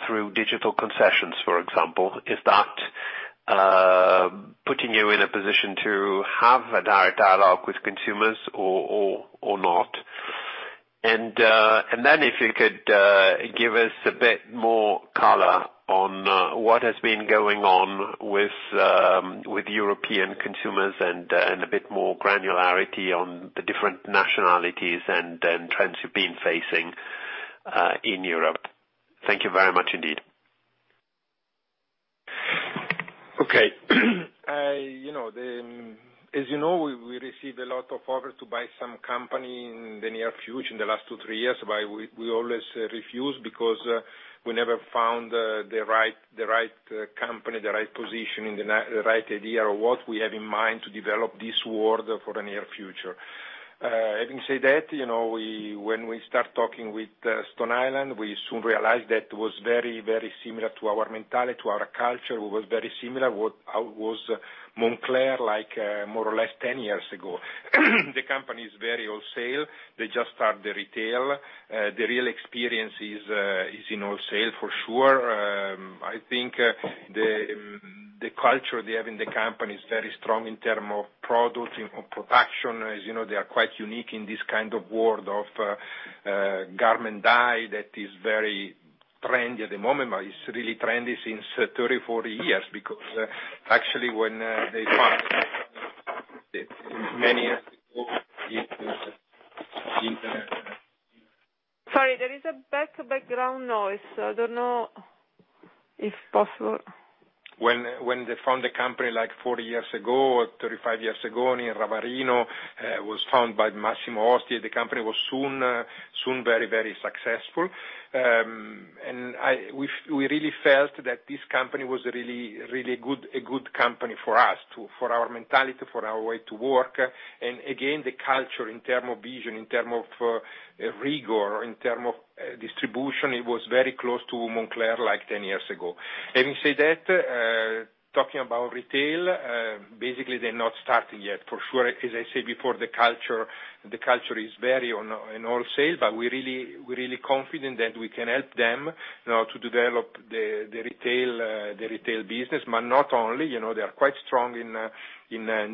through digital concessions, for example? Is that putting you in a position to have a direct dialogue with consumers or not? If you could give us a bit more color on what has been going on with European consumers and a bit more granularity on the different nationalities and trends you've been facing in Europe. Thank you very much indeed. Okay. As you know, we received a lot of offers to buy some company in the near future, in the last two, three years. We always refuse because we never found the right company, the right position, and the right idea of what we have in mind to develop this ward for the near future. Having said that, when we start talking with Stone Island, we soon realized that it was very similar to our mentality, to our culture. It was very similar to how it was Moncler like more or less 10 years ago. The company is very wholesale. They just start the retail. The real experience is in wholesale for sure. I think the culture they have in the company is very strong in term of product, in production. As you know, they are quite unique in this kind of world of garment dye that is very trendy at the moment, but it's really trendy since 30, 40 years, because actually when they found many years ago. Sorry, there is a background noise. I don't know if possible. When they found the company like 40 years ago or 35 years ago, near Ravarino. It was found by Massimo Osti. The company was soon very successful. We really felt that this company was a really good company for us, for our mentality, for our way to work. Again, the culture in term of vision, in term of rigor, in term of distribution, it was very close to Moncler like 10 years ago. Having said that, talking about retail, basically they're not starting yet. For sure, as I said before, the culture is very in wholesale, we're really confident that we can help them to develop the retail business. Not only, they are quite strong in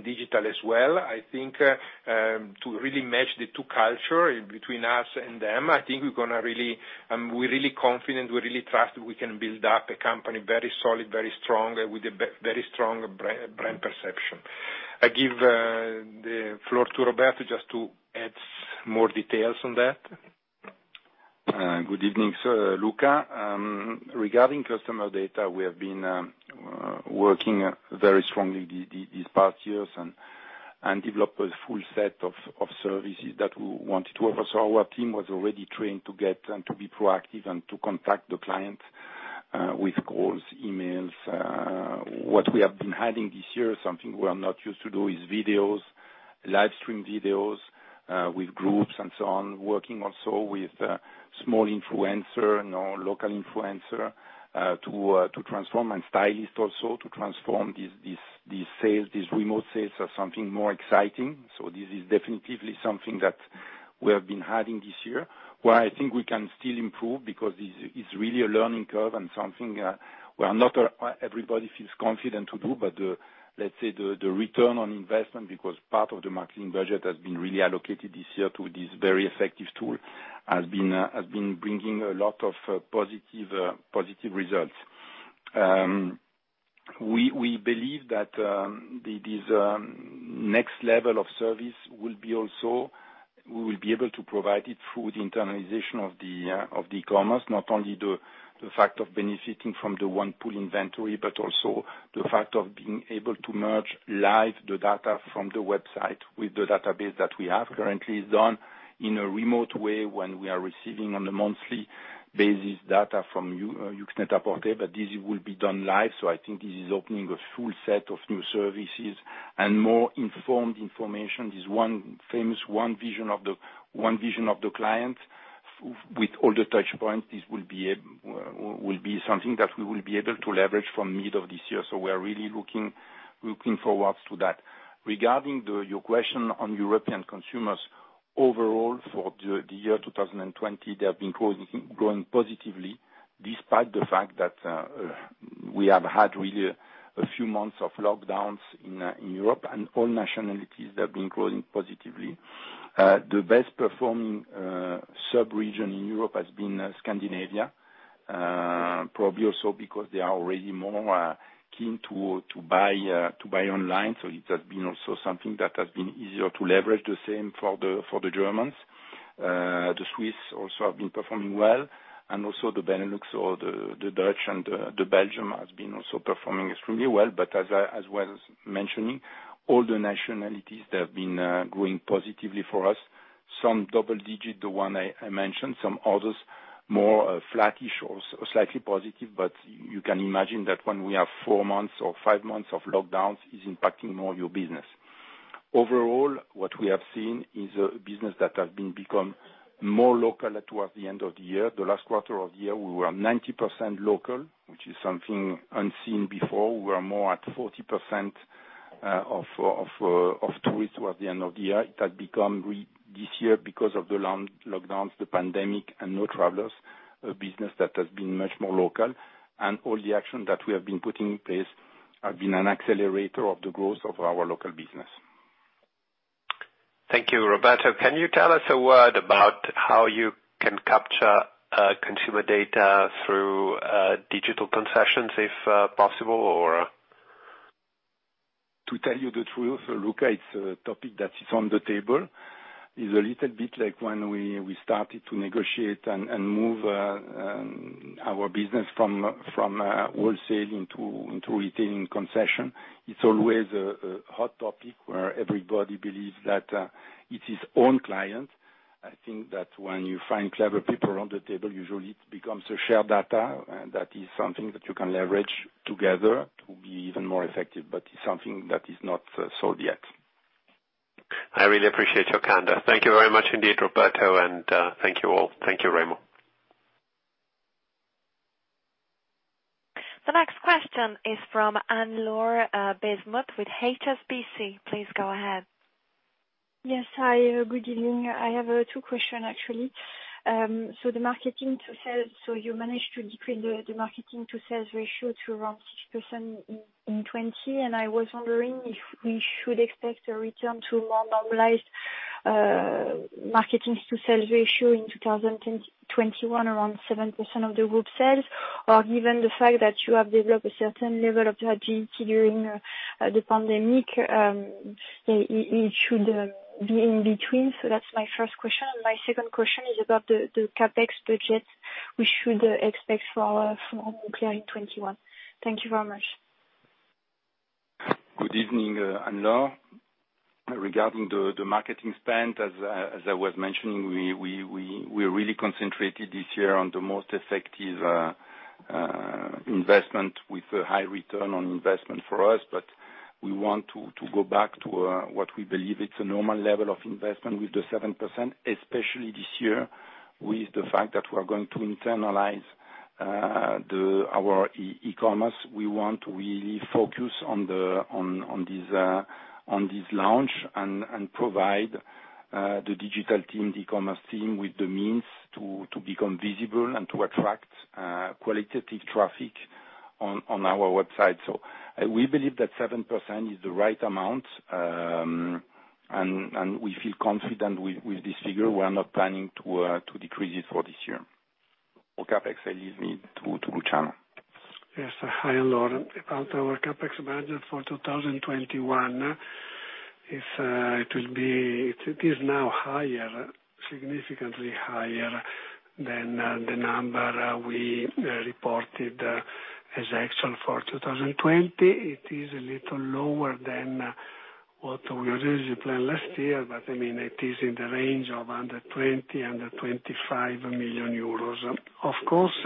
digital as well. I think to really match the two culture between us and them, I think we're really confident, we're really trusting we can build up a company very solid, very strong, with a very strong brand perception. I give the floor to Roberto just to add more details on that. Good evening, sir Luca. Regarding customer data, we have been working very strongly these past years and developed a full set of services that we wanted to offer. Our team was already trained to get and to be proactive and to contact the client, with calls, emails. What we have been having this year, something we are not used to do, is videos, live stream videos, with groups and so on. Working also with small influencer, local influencer, to transform and stylist also to transform these remote sales as something more exciting. This is definitely something that we have been having this year. Where I think we can still improve because it's really a learning curve and something where not everybody feels confident to do, but let's say the return on investment, because part of the marketing budget has been really allocated this year to this very effective tool, has been bringing a lot of positive results. We believe that this next level of service we will be able to provide it through the internalization of the e-commerce. Not only the fact of benefiting from the one pool inventory, but also the fact of being able to merge live the data from the website with the database that we have currently done in a remote way when we are receiving on a monthly basis data from YOOX Net-a-Porter. This will be done live. I think this is opening a full set of new services and more informed information. This one famous, one vision of the client with all the touch points, this will be something that we will be able to leverage from middle of this year. We are really looking forwards to that. Regarding your question on European consumers, overall for the year 2020, they have been growing positively despite the fact that we have had really a few months of lockdowns in Europe and all nationalities, they've been growing positively. The best performing sub-region in Europe has been Scandinavia. Probably also because they are already more keen to buy online, so it has been also something that has been easier to leverage. The same for the Germans. The Swiss also have been performing well, and also the Benelux or the Dutch and the Belgians has been also performing extremely well. As well as mentioning, all the nationalities they have been growing positively for us. Some double-digit, the one I mentioned, some others more flattish or slightly positive. You can imagine that when we have four months or five months of lockdowns, it's impacting more your business. Overall, what we have seen is a business that has become more local towards the end of the year. The last quarter of the year, we were 90% local, which is something unseen before. We were more at 40% of tourists towards the end of the year. It had become, this year, because of the lockdowns, the pandemic, and no travelers, a business that has been much more local. All the action that we have been putting in place have been an accelerator of the growth of our local business. Thank you, Roberto. Can you tell us a word about how you can capture consumer data through digital concessions, if possible, or? To tell you the truth, Luca, it's a topic that is on the table. It's a little bit like when we started to negotiate and move our business from wholesale into retaining concession. It's always a hot topic, where everybody believes that it's his own client. I think that when you find clever people around the table, usually it becomes a shared data, and that is something that you can leverage together to be even more effective. It's something that is not solved yet. I really appreciate your candor. Thank you very much indeed, Roberto, and thank you all. Thank you, Remo. The next question is from Anne-Laure Bismuth with HSBC. Please go ahead. Yes, hi, good evening. I have two questions, actually. The marketing to sales, you managed to decrease the marketing to sales ratio to around 6% in 2020, and I was wondering if we should expect a return to more normalized marketing to sales ratio in 2021 around 7% of the group sales. Given the fact that you have developed a certain level of agility during the pandemic, it should be in between. That's my first question. My second question is about the CapEx budget we should expect for Moncler in 2021. Thank you very much. Good evening, Anne-Laure. Regarding the marketing spend, as I was mentioning, we're really concentrated this year on the most effective investment with a high return on investment for us. We want to go back to what we believe it's a normal level of investment with the 7%, especially this year, with the fact that we are going to internalize our e-commerce. We want to really focus on this launch and provide the digital team, the e-commerce team, with the means to become visible and to attract qualitative traffic on our website. We believe that 7% is the right amount, and we feel confident with this figure. We are not planning to decrease it for this year. For CapEx, I leave me to Luciano. Yes. Hi, Anne-Laure. About our CapEx budget for 2021, it is now higher, significantly higher than the number we reported as actual for 2020. It is a little lower than what we originally planned last year, but it is in the range of under 20, under 25 million euros. Of course,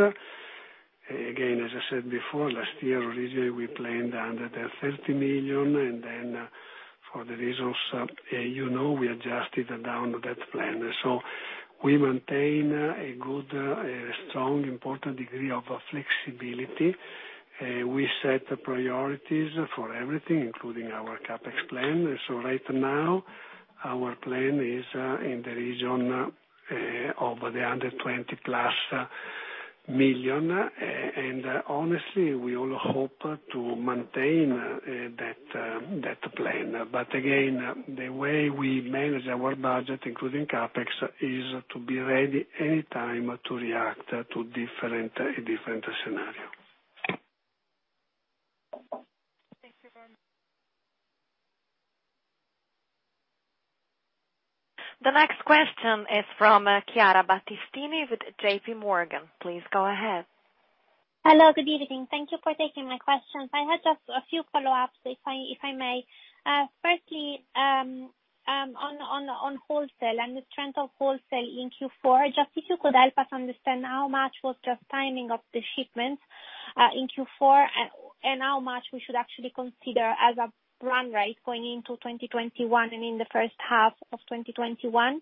again, as I said before, last year originally we planned under 30 million. For the reasons you know, we adjusted down that plan. We maintain a good, strong, important degree of flexibility. We set priorities for everything, including our CapEx plan. Right now, our plan is in the region of the under 20 plus million. Honestly, we all hope to maintain that plan. Again, the way we manage our budget, including CapEx, is to be ready any time to react to a different scenario. Thank you very much. The next question is from Chiara Battistini with JPMorgan. Please go ahead. Hello, good evening. Thank you for taking my questions. I had just a few follow-ups, if I may. Firstly, on wholesale and the trend of wholesale in Q4, just if you could help us understand how much was just timing of the shipments in Q4, and how much we should actually consider as a run rate going into 2021 and in the first half of 2021.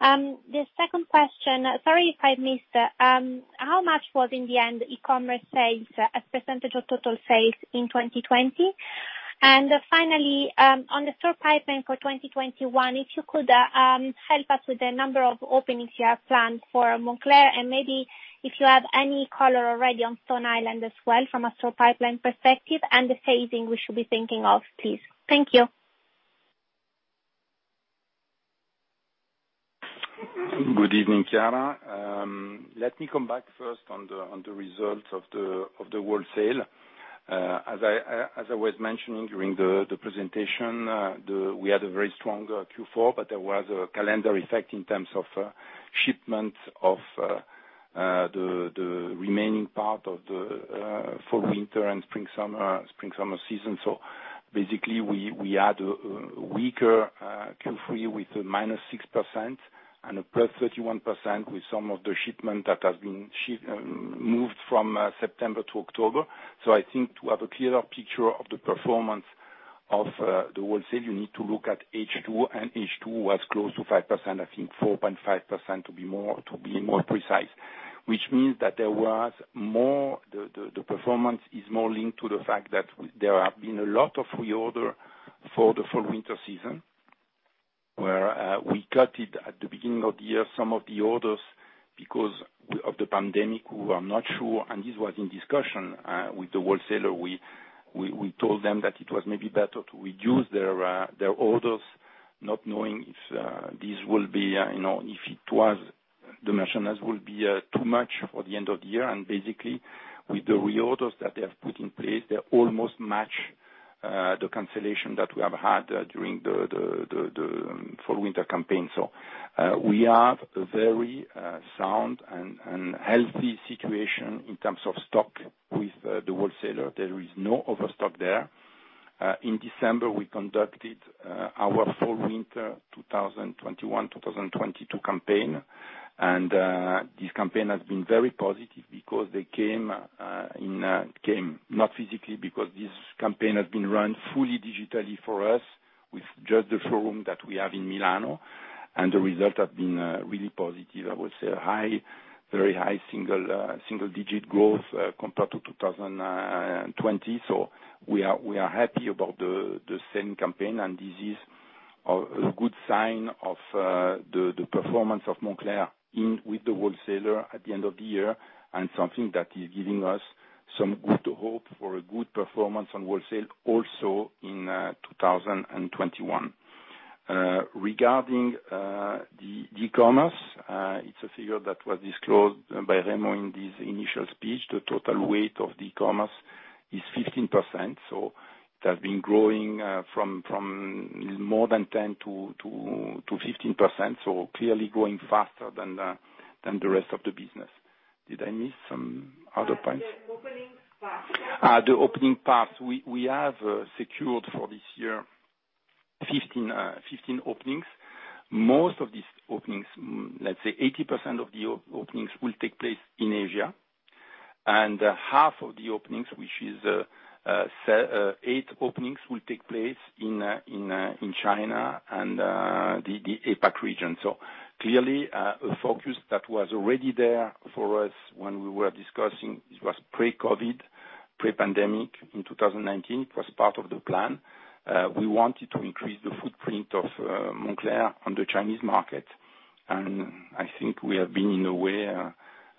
The second question, sorry if I missed, how much was in the end e-commerce sales as % of total sales in 2020? Finally, on the store pipeline for 2021, if you could help us with the number of openings you have planned for Moncler, and maybe if you have any color already on Stone Island as well from a store pipeline perspective, and the phasing we should be thinking of, please. Thank you. Good evening, Chiara. Let me come back first on the results of the wholesale. As I was mentioning during the presentation, we had a very strong Q4, but there was a calendar effect in terms of shipments of the remaining part of the fall, winter, and spring, summer season. Basically, we had a weaker Q3 with a minus 6% and a plus 31% with some of the shipment that has been moved from September to October. I think to have a clearer picture of the performance of the wholesale, you need to look at H2, and H2 was close to 5%, I think 4.5% to be more precise. Which means that the performance is more linked to the fact that there have been a lot of reorder for the fall/winter season, where we cut it at the beginning of the year, some of the orders because of the pandemic, we were not sure. This was in discussion with the wholesaler. We told them that it was maybe better to reduce their orders, not knowing if the merchandise will be too much for the end of the year. Basically, with the reorders that they have put in place, they almost match the cancellation that we have had during the Fall/Winter campaign. We have a very sound and healthy situation in terms of stock with the wholesaler. There is no overstock there. In December, we conducted our Fall/Winter 2021/2022 campaign. This campaign has been very positive because they came not physically, because this campaign has been run fully digitally for us with just the showroom that we have in Milan. The result has been really positive. I would say a very high single digit growth, compared to 2020. We are happy about the same campaign. This is a good sign of the performance of Moncler with the wholesaler at the end of the year, something that is giving us some good hope for a good performance on wholesale also in 2021. Regarding the e-commerce, it's a figure that was disclosed by Remo in his initial speech. The total weight of e-commerce is 15%. It has been growing from more than 10%-15%. Clearly growing faster than the rest of the business. Did I miss some other points? The opening paths. The opening paths. We have secured for this year 15 openings. Most of these openings, let's say 80% of the openings, will take place in Asia. Half of the openings, which is eight openings, will take place in China and the APAC region. Clearly, a focus that was already there for us when we were discussing, it was pre-COVID, pre-pandemic in 2019. It was part of the plan. We wanted to increase the footprint of Moncler on the Chinese market, and I think we have been, in a way,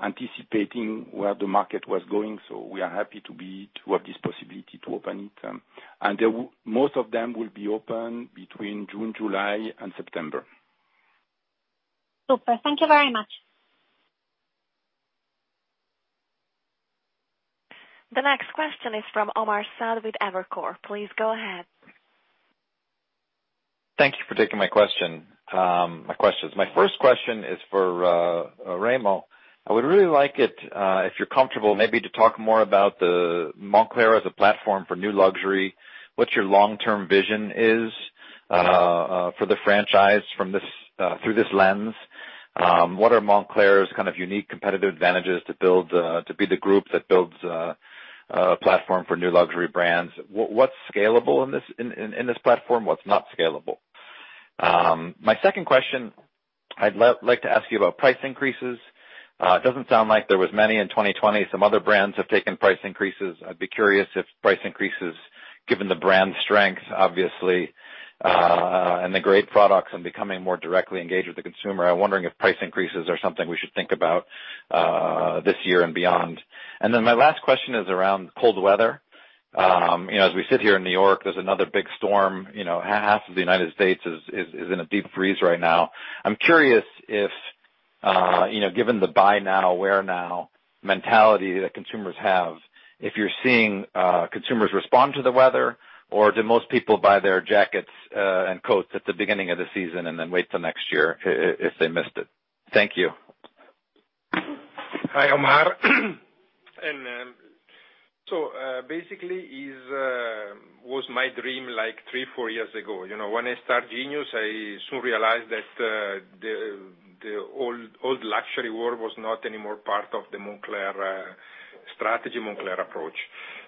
anticipating where the market was going. We are happy to have this possibility to open it. Most of them will be open between June, July, and September. Super. Thank you very much. The next question is from Omar Saad with Evercore. Please go ahead. Thank you for taking my questions. My first question is for Remo. I would really like it, if you're comfortable, maybe to talk more about the Moncler as a platform for new luxury. What your long-term vision is for the franchise through this lens. What are Moncler's kind of unique competitive advantages to be the group that builds a platform for new luxury brands? What's scalable in this platform? What's not scalable? My second question, I'd like to ask you about price increases. It doesn't sound like there was many in 2020. Some other brands have taken price increases. I'd be curious if price increases, given the brand strength, obviously, and the great products and becoming more directly engaged with the consumer. I'm wondering if price increases are something we should think about this year and beyond. My last question is around cold weather. As we sit here in New York, there's another big storm. Half of the U.S. is in a deep freeze right now. I'm curious if, given the buy now, wear now mentality that consumers have, if you're seeing consumers respond to the weather, or do most people buy their jackets and coats at the beginning of the season and then wait till next year if they missed it? Thank you. Hi, Omar. Basically it was my dream, like three, four years ago. When I start Genius, I soon realized that the old luxury world was not anymore part of the Moncler strategy, Moncler approach.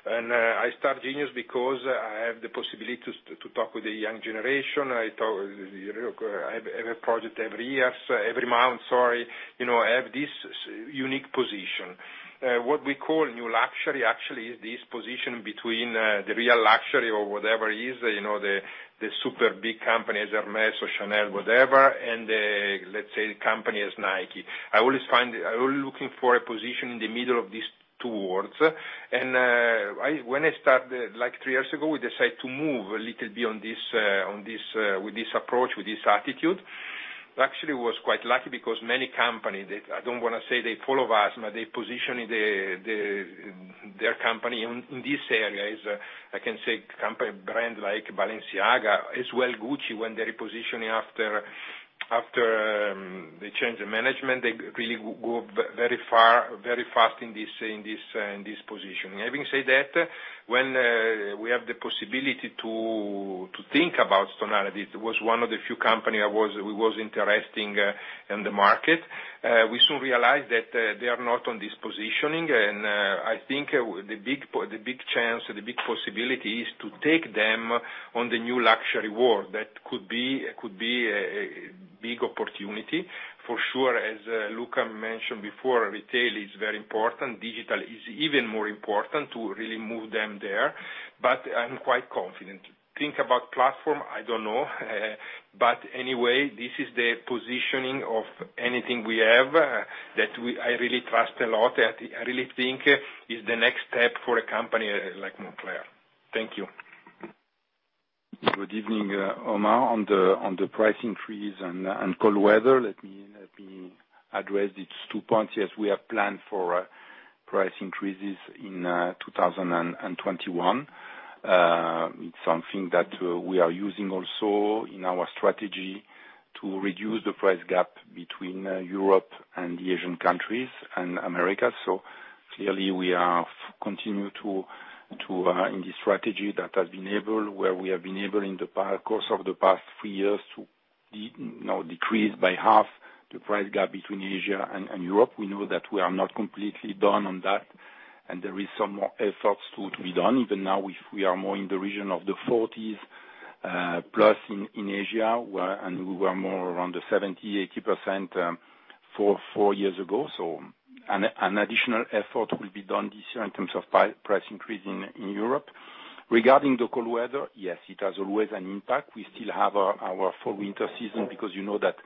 I start Genius because I have the possibility to talk with the young generation. I have a project every year, every month, sorry. I have this unique position. What we call new luxury actually is this position between the real luxury or whatever it is, the super big companies, Hermès or Chanel, whatever, and let's say the company is Nike. I always looking for a position in the middle of these two worlds. When I started, like three years ago, we decided to move a little bit with this approach, with this attitude. Actually, it was quite lucky because many companies, I don't want to say they follow us, but they position the. Their company in this area is, I can say, company brand like Balenciaga, as well Gucci, when they're repositioning after the change in management, they really go very fast in this positioning. Having said that, when we have the possibility to think about Stone Island, it was one of the few company that was interesting in the market. We soon realized that they are not on this positioning, I think the big chance or the big possibility is to take them on the new luxury world. That could be a big opportunity. For sure, as Luca mentioned before, retail is very important. Digital is even more important to really move them there, I'm quite confident. Think about platform, I don't know. Anyway, this is the positioning of anything we have that I really trust a lot. I really think is the next step for a company like Moncler. Thank you. Good evening, Omar. On the price increase and cold weather, let me address these two points. Yes, we have planned for price increases in 2021. It's something that we are using also in our strategy to reduce the price gap between Europe and the Asian countries and America. Clearly, we are continue in this strategy that has been able, where we have been able in the course of the past three years to decrease by half the price gap between Asia and Europe. We know that we are not completely done on that, and there is some more efforts to be done. Even now, we are more in the region of the 40s plus in Asia, and we were more around the 70, 80% four years ago. An additional effort will be done this year in terms of price increase in Europe. Regarding the cold weather, yes, it has always an impact. We still have our Fall/Winter season because you know that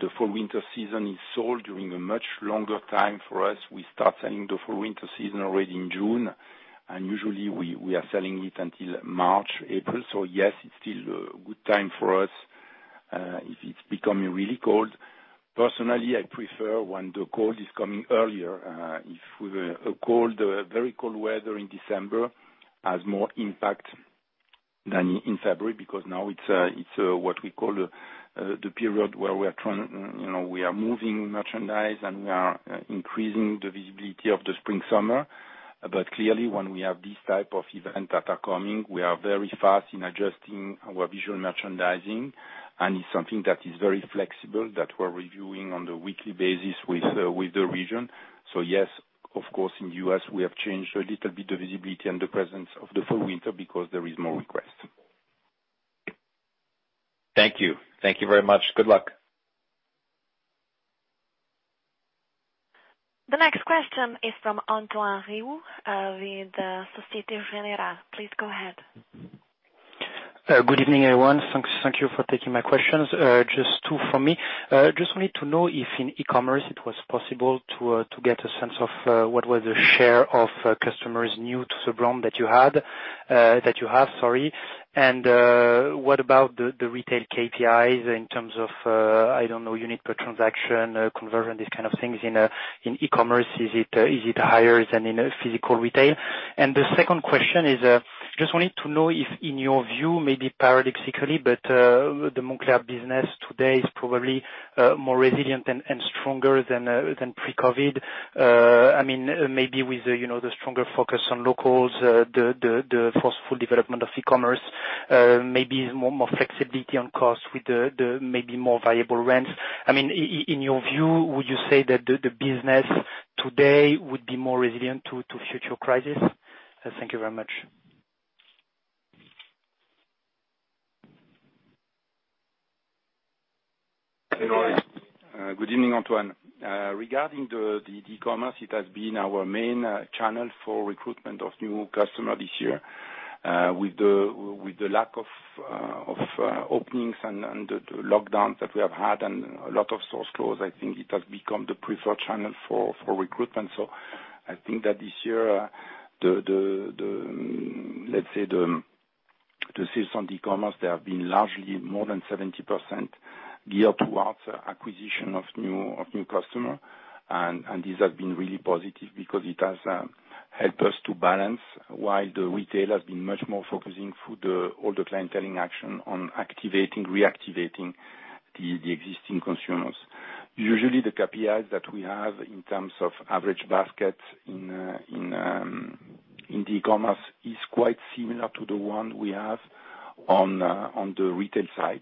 the Fall/Winter season is sold during a much longer time for us. We start selling the Fall/Winter season already in June. Usually we are selling it until March, April. Yes, it's still a good time for us. If it's becoming really cold, personally, I prefer when the cold is coming earlier. If a very cold weather in December has more impact than in February, because now it's what we call the period where we are moving merchandise and we are increasing the visibility of the spring-summer. Clearly, when we have this type of event that are coming, we are very fast in adjusting our visual merchandising, and it's something that is very flexible, that we're reviewing on the weekly basis with the region. yes, of course, in U.S., we have changed a little bit the visibility and the presence of the Fall/Winter because there is more request. Thank you. Thank you very much. Good luck. The next question is from Antoine Riou with Societe Generale. Please go ahead. Good evening, everyone. Thank you for taking my questions. Just two from me. Just wanted to know if in e-commerce it was possible to get a sense of what was the share of customers new to the brand that you have. What about the retail KPIs in terms of, I don't know, unit per transaction, conversion, these kind of things in e-commerce? Is it higher than in a physical retail? The second question is, just wanted to know if in your view, maybe paradoxically, but the Moncler business today is probably more resilient and stronger than pre-COVID. Maybe with the stronger focus on locals, the forceful development of e-commerce, maybe more flexibility on cost with the maybe more valuable rents. In your view, would you say that the business today would be more resilient to future crisis? Thank you very much. Good evening, Antoine. Regarding the e-commerce, it has been our main channel for recruitment of new customer this year. With the lack of openings and the lockdowns that we have had and a lot of stores closed, I think it has become the preferred channel for recruitment. I think that this year, let's say, the sales on e-commerce, they have been largely more than 70% geared towards acquisition of new customer. This has been really positive because it has helped us to balance, while the retail has been much more focusing through all the clienteling action on activating, reactivating the existing consumers. Usually, the KPIs that we have in terms of average basket in the e-commerce is quite similar to the one we have on the retail side,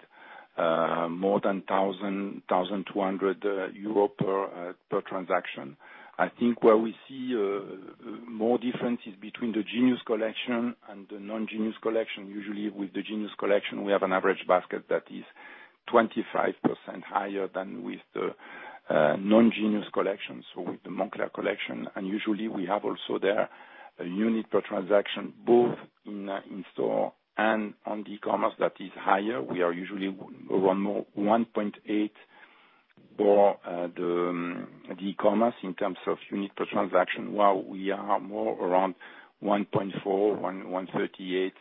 more than 1,200 euro per transaction. I think where we see more differences between the Genius collection and the non-Genius collection. Usually, with the Genius collection, we have an average basket that is 25% higher than with the non-Genius collection. With the Moncler collection, and usually we have also there a unit per transaction, both in store and on the e-commerce that is higher. We are usually around more 1.8 for the e-commerce in terms of unit per transaction, while we are more around 1.4, 1.38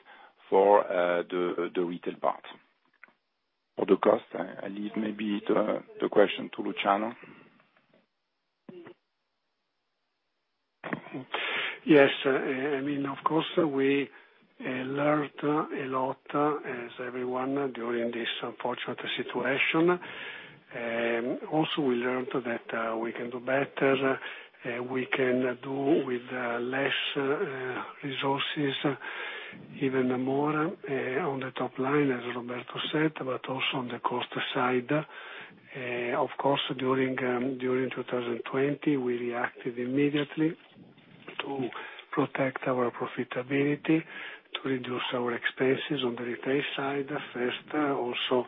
for the retail part. For the cost, I leave maybe the question to Luciano. Yes. Of course, we learned a lot, as everyone, during this unfortunate situation. We learned that we can do better, we can do with less resources, even more on the top line, as Roberto said, but also on the cost side. During 2020, we reacted immediately to protect our profitability, to reduce our expenses on the retail side first, also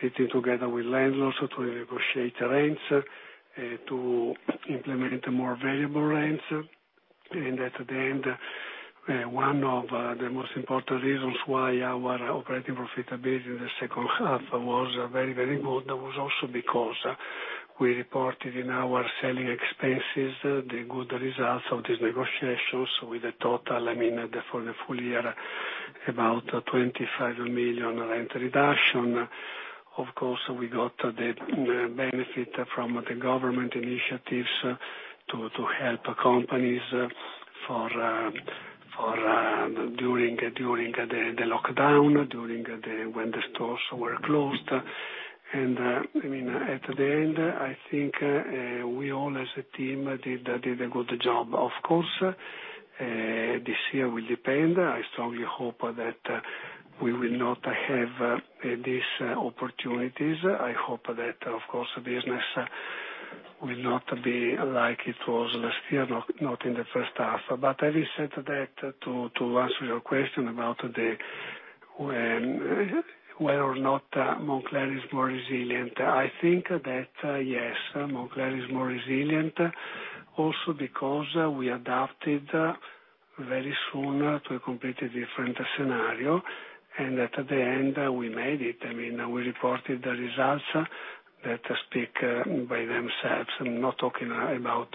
sitting together with landlords to negotiate rents, to implement more variable rents. At the end, one of the most important reasons why our operating profitability in the second half was very good, was also because we reported in our selling expenses the good results of these negotiations with a total, for the full year, about 25 million rent reduction. We got the benefit from the government initiatives to help companies during the lockdown, when the stores were closed. At the end, I think we all, as a team, did a good job. Of course, this year will depend. I strongly hope that we will not have these opportunities. I hope that, of course, business will not be like it was last year, not in the first half. Having said that, to answer your question about whether or not Moncler is more resilient, I think that, yes, Moncler is more resilient, also because we adapted very soon to a completely different scenario. At the end, we made it. We reported the results that speak by themselves. I'm not talking about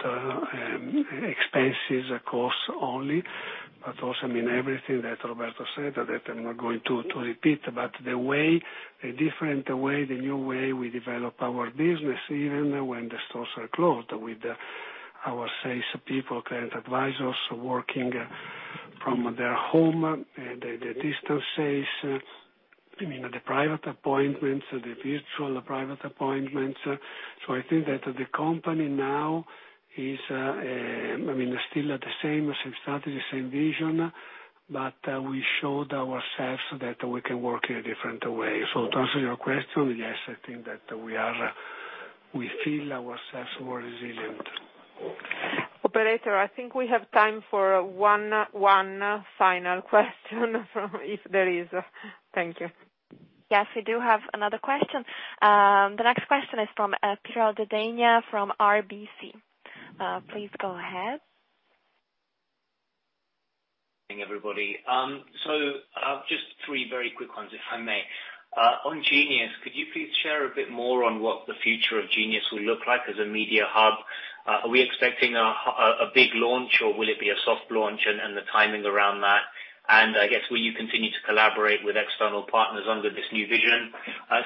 expenses, costs only, but also everything that Roberto said, that I'm not going to repeat. The different way, the new way we develop our business, even when the stores are closed, with our salespeople, client advisors working from their home, the distances, the private appointments, the virtual private appointments. I think that the company now is still the same strategy, same vision, but we showed ourselves that we can work in a different way. To answer your question, yes, I think that we feel ourselves more resilient. Operator, I think we have time for one final question if there is. Thank you. Yes, we do have another question. The next question is from Piral Dadhania from RBC. Please go ahead. Good morning, everybody. Just three very quick ones, if I may. On Genius, could you please share a bit more on what the future of Genius will look like as a media hub? Are we expecting a big launch, or will it be a soft launch, and the timing around that? I guess, will you continue to collaborate with external partners under this new vision?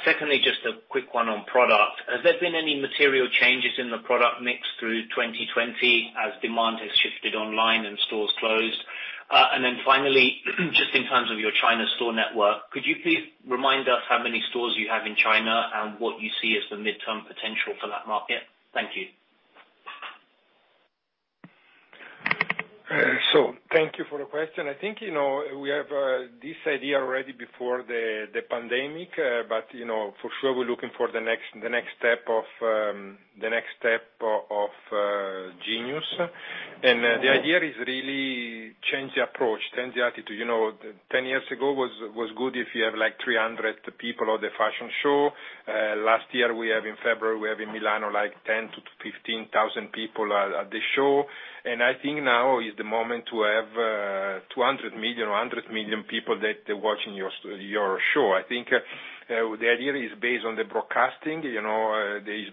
Secondly, just a quick one on product. Has there been any material changes in the product mix through 2020 as demand has shifted online and stores closed? Finally, just in terms of your China store network, could you please remind us how many stores you have in China and what you see as the midterm potential for that market? Thank you. Thank you for the question. I think we have this idea already before the pandemic, but for sure, we're looking for the next step of Genius. The idea is really change the approach, change the attitude. 10 years ago was good if you have 300 people at the fashion show. Last year in February, we have in Milan 10,000-15,000 people at the show. I think now is the moment to have 200 million or 100 million people that they're watching your show. I think the idea is based on the broadcasting. It really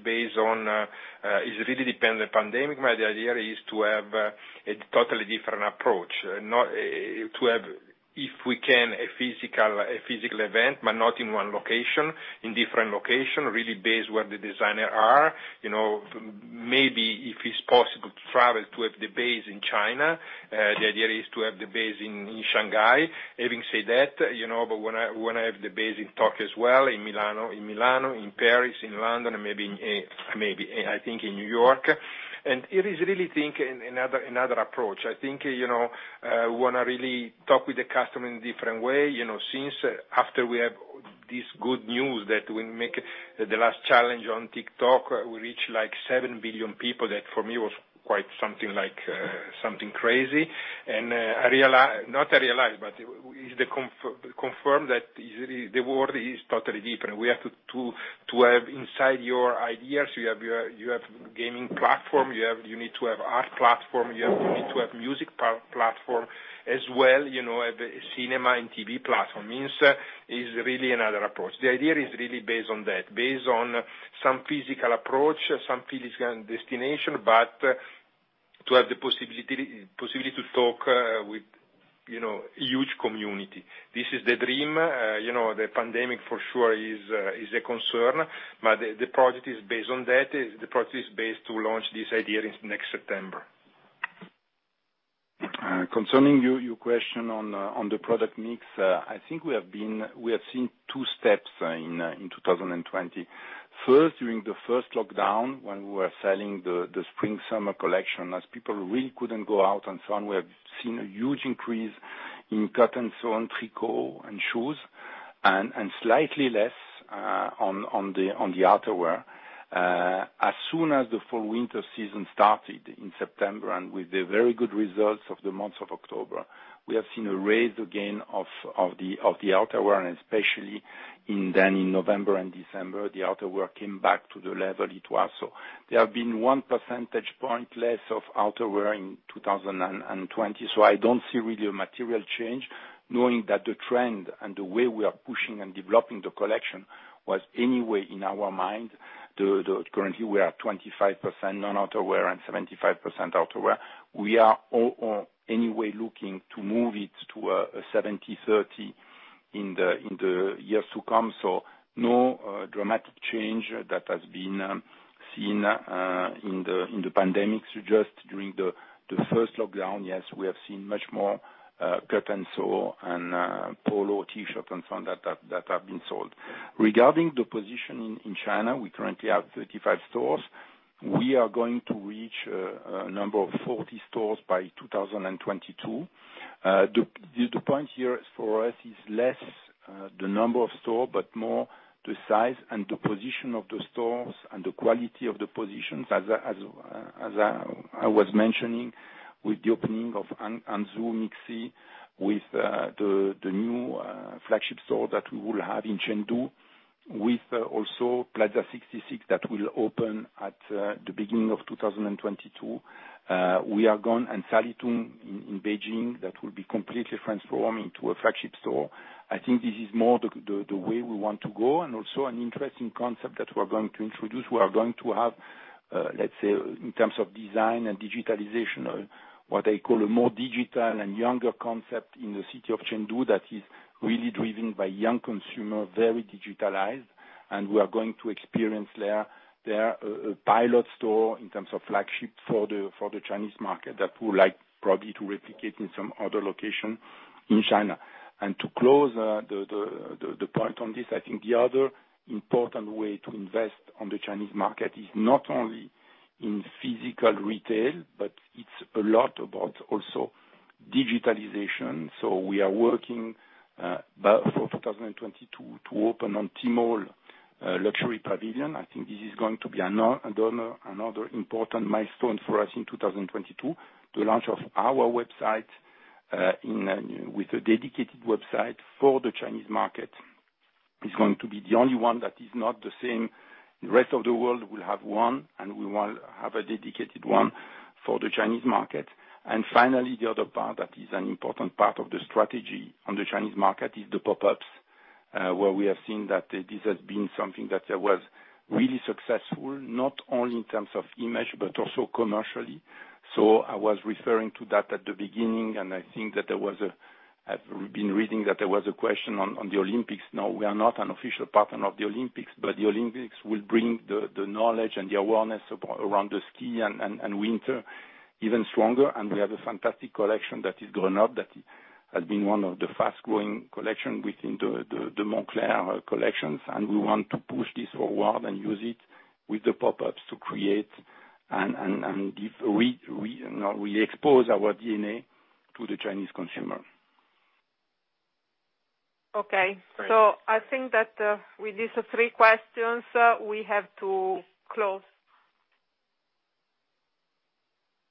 depend the pandemic, but the idea is to have a totally different approach. To have, if we can, a physical event, but not in one location, in different location, really based where the designer are. Maybe if it is possible to travel to have the base in China, the idea is to have the base in Shanghai. Having said that, we want to have the base in Tokyo as well, in Milan, in Paris, in London, maybe, I think in New York. It is really think another approach. I think we want to really talk with the customer in different way. Since after we have this good news that we make the last challenge on TikTok, we reach 7 billion people. That, for me, was quite something crazy. Not I realize, but it confirmed that the world is totally different. We have to have inside your ideas. You have gaming platform, you need to have art platform, you need to have music platform as well, cinema and TV platform. Means is really another approach. The idea is really based on that, based on some physical approach, some physical destination, but. To have the possibility to talk with huge community. This is the dream. The pandemic for sure is a concern, but the project is based on that. The project is based to launch this idea in next September. Concerning your question on the product mix, I think we have seen two steps in 2020. First, during the first lockdown, when we were selling the spring summer collection, as people really couldn't go out and so on, we have seen a huge increase in cut and sew and tricot and shoes, and slightly less on the outerwear. Soon as the fall winter season started in September, and with the very good results of the month of October, we have seen a raise again of the outerwear, and especially then in November and December, the outerwear came back to the level it was. There have been one percentage point less of outerwear in 2020. I don't see really a material change, knowing that the trend and the way we are pushing and developing the collection was anyway in our mind. Currently, we are 25% non-outerwear and 75% outerwear. We are, anyway, looking to move it to a 70/30 in the years to come. No dramatic change that has been seen in the pandemic. Just during the first lockdown, yes, we have seen much more cut and sew and polo T-shirt and so on that have been sold. Regarding the position in China, we currently have 35 stores. We are going to reach a number of 40 stores by 2022. The point here for us is less the number of store, but more the size and the position of the stores and the quality of the positions, as I was mentioning, with the opening of Hangzhou MixC, with the new flagship store that we will have in Chengdu, with also Plaza 66 that will open at the beginning of 2022. We are gone in Sanlitun in Beijing, that will be completely transforming to a flagship store. I think this is more the way we want to go, and also an interesting concept that we're going to introduce. We are going to have, let's say, in terms of design and digitalization, what I call a more digital and younger concept in the city of Chengdu that is really driven by young consumer, very digitalized. We are going to experience their pilot store in terms of flagship for the Chinese market that we would like probably to replicate in some other location in China. To close the point on this, I think the other important way to invest on the Chinese market is not only in physical retail, but it's a lot about also digitalization. We are working for 2022 to open on Tmall Luxury Pavilion. I think this is going to be another important milestone for us in 2022, the launch of our website with a dedicated website for the Chinese market. It's going to be the only one that is not the same. The rest of the world will have one, and we will have a dedicated one for the Chinese market. Finally, the other part that is an important part of the strategy on the Chinese market is the pop-ups, where we have seen that this has been something that was really successful, not only in terms of image, but also commercially. I was referring to that at the beginning, and I think that I've been reading that there was a question on the Olympics. We are not an official partner of the Olympics, but the Olympics will bring the knowledge and the awareness around the ski and winter even stronger. We have a fantastic collection that is growing up that has been one of the fast-growing collection within the Moncler collections, and we want to push this forward and use it with the pop-ups to create and re-expose our DNA to the Chinese consumer. Okay. I think that with these three questions, we have to close.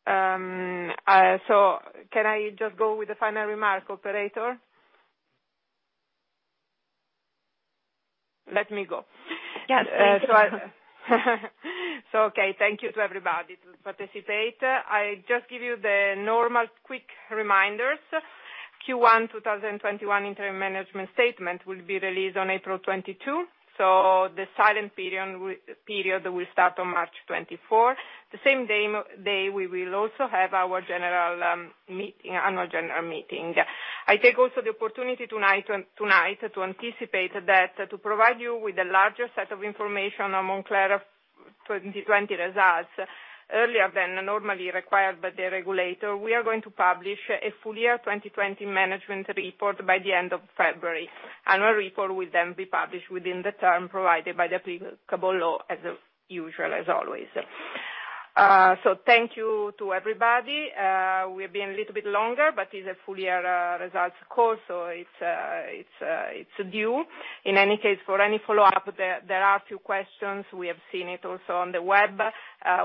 Can I just go with the final remark, operator? Let me go. Yes, thank you. Okay, thank you to everybody to participate. I just give you the normal quick reminders. Q1 2021 interim management statement will be released on April 22. The silent period will start on March 24. The same day, we will also have our annual general meeting. I take also the opportunity tonight to anticipate that to provide you with a larger set of information on Moncler 2020 results earlier than normally required by the regulator, we are going to publish a full year 2020 management report by the end of February. Annual report will then be published within the term provided by the applicable law as usual, as always. Thank you to everybody. We've been a little bit longer, but it's a full year results call, so it's due. In any case, for any follow-up, there are a few questions. We have seen it also on the web.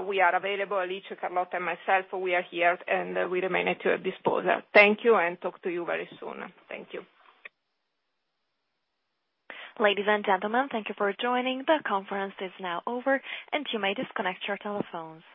We are available, Alice, Carlotta, and myself, we are here and we remain at your disposal. Thank you. Talk to you very soon. Thank you. Ladies and gentlemen, thank you for joining. The conference is now over, and you may disconnect your telephones.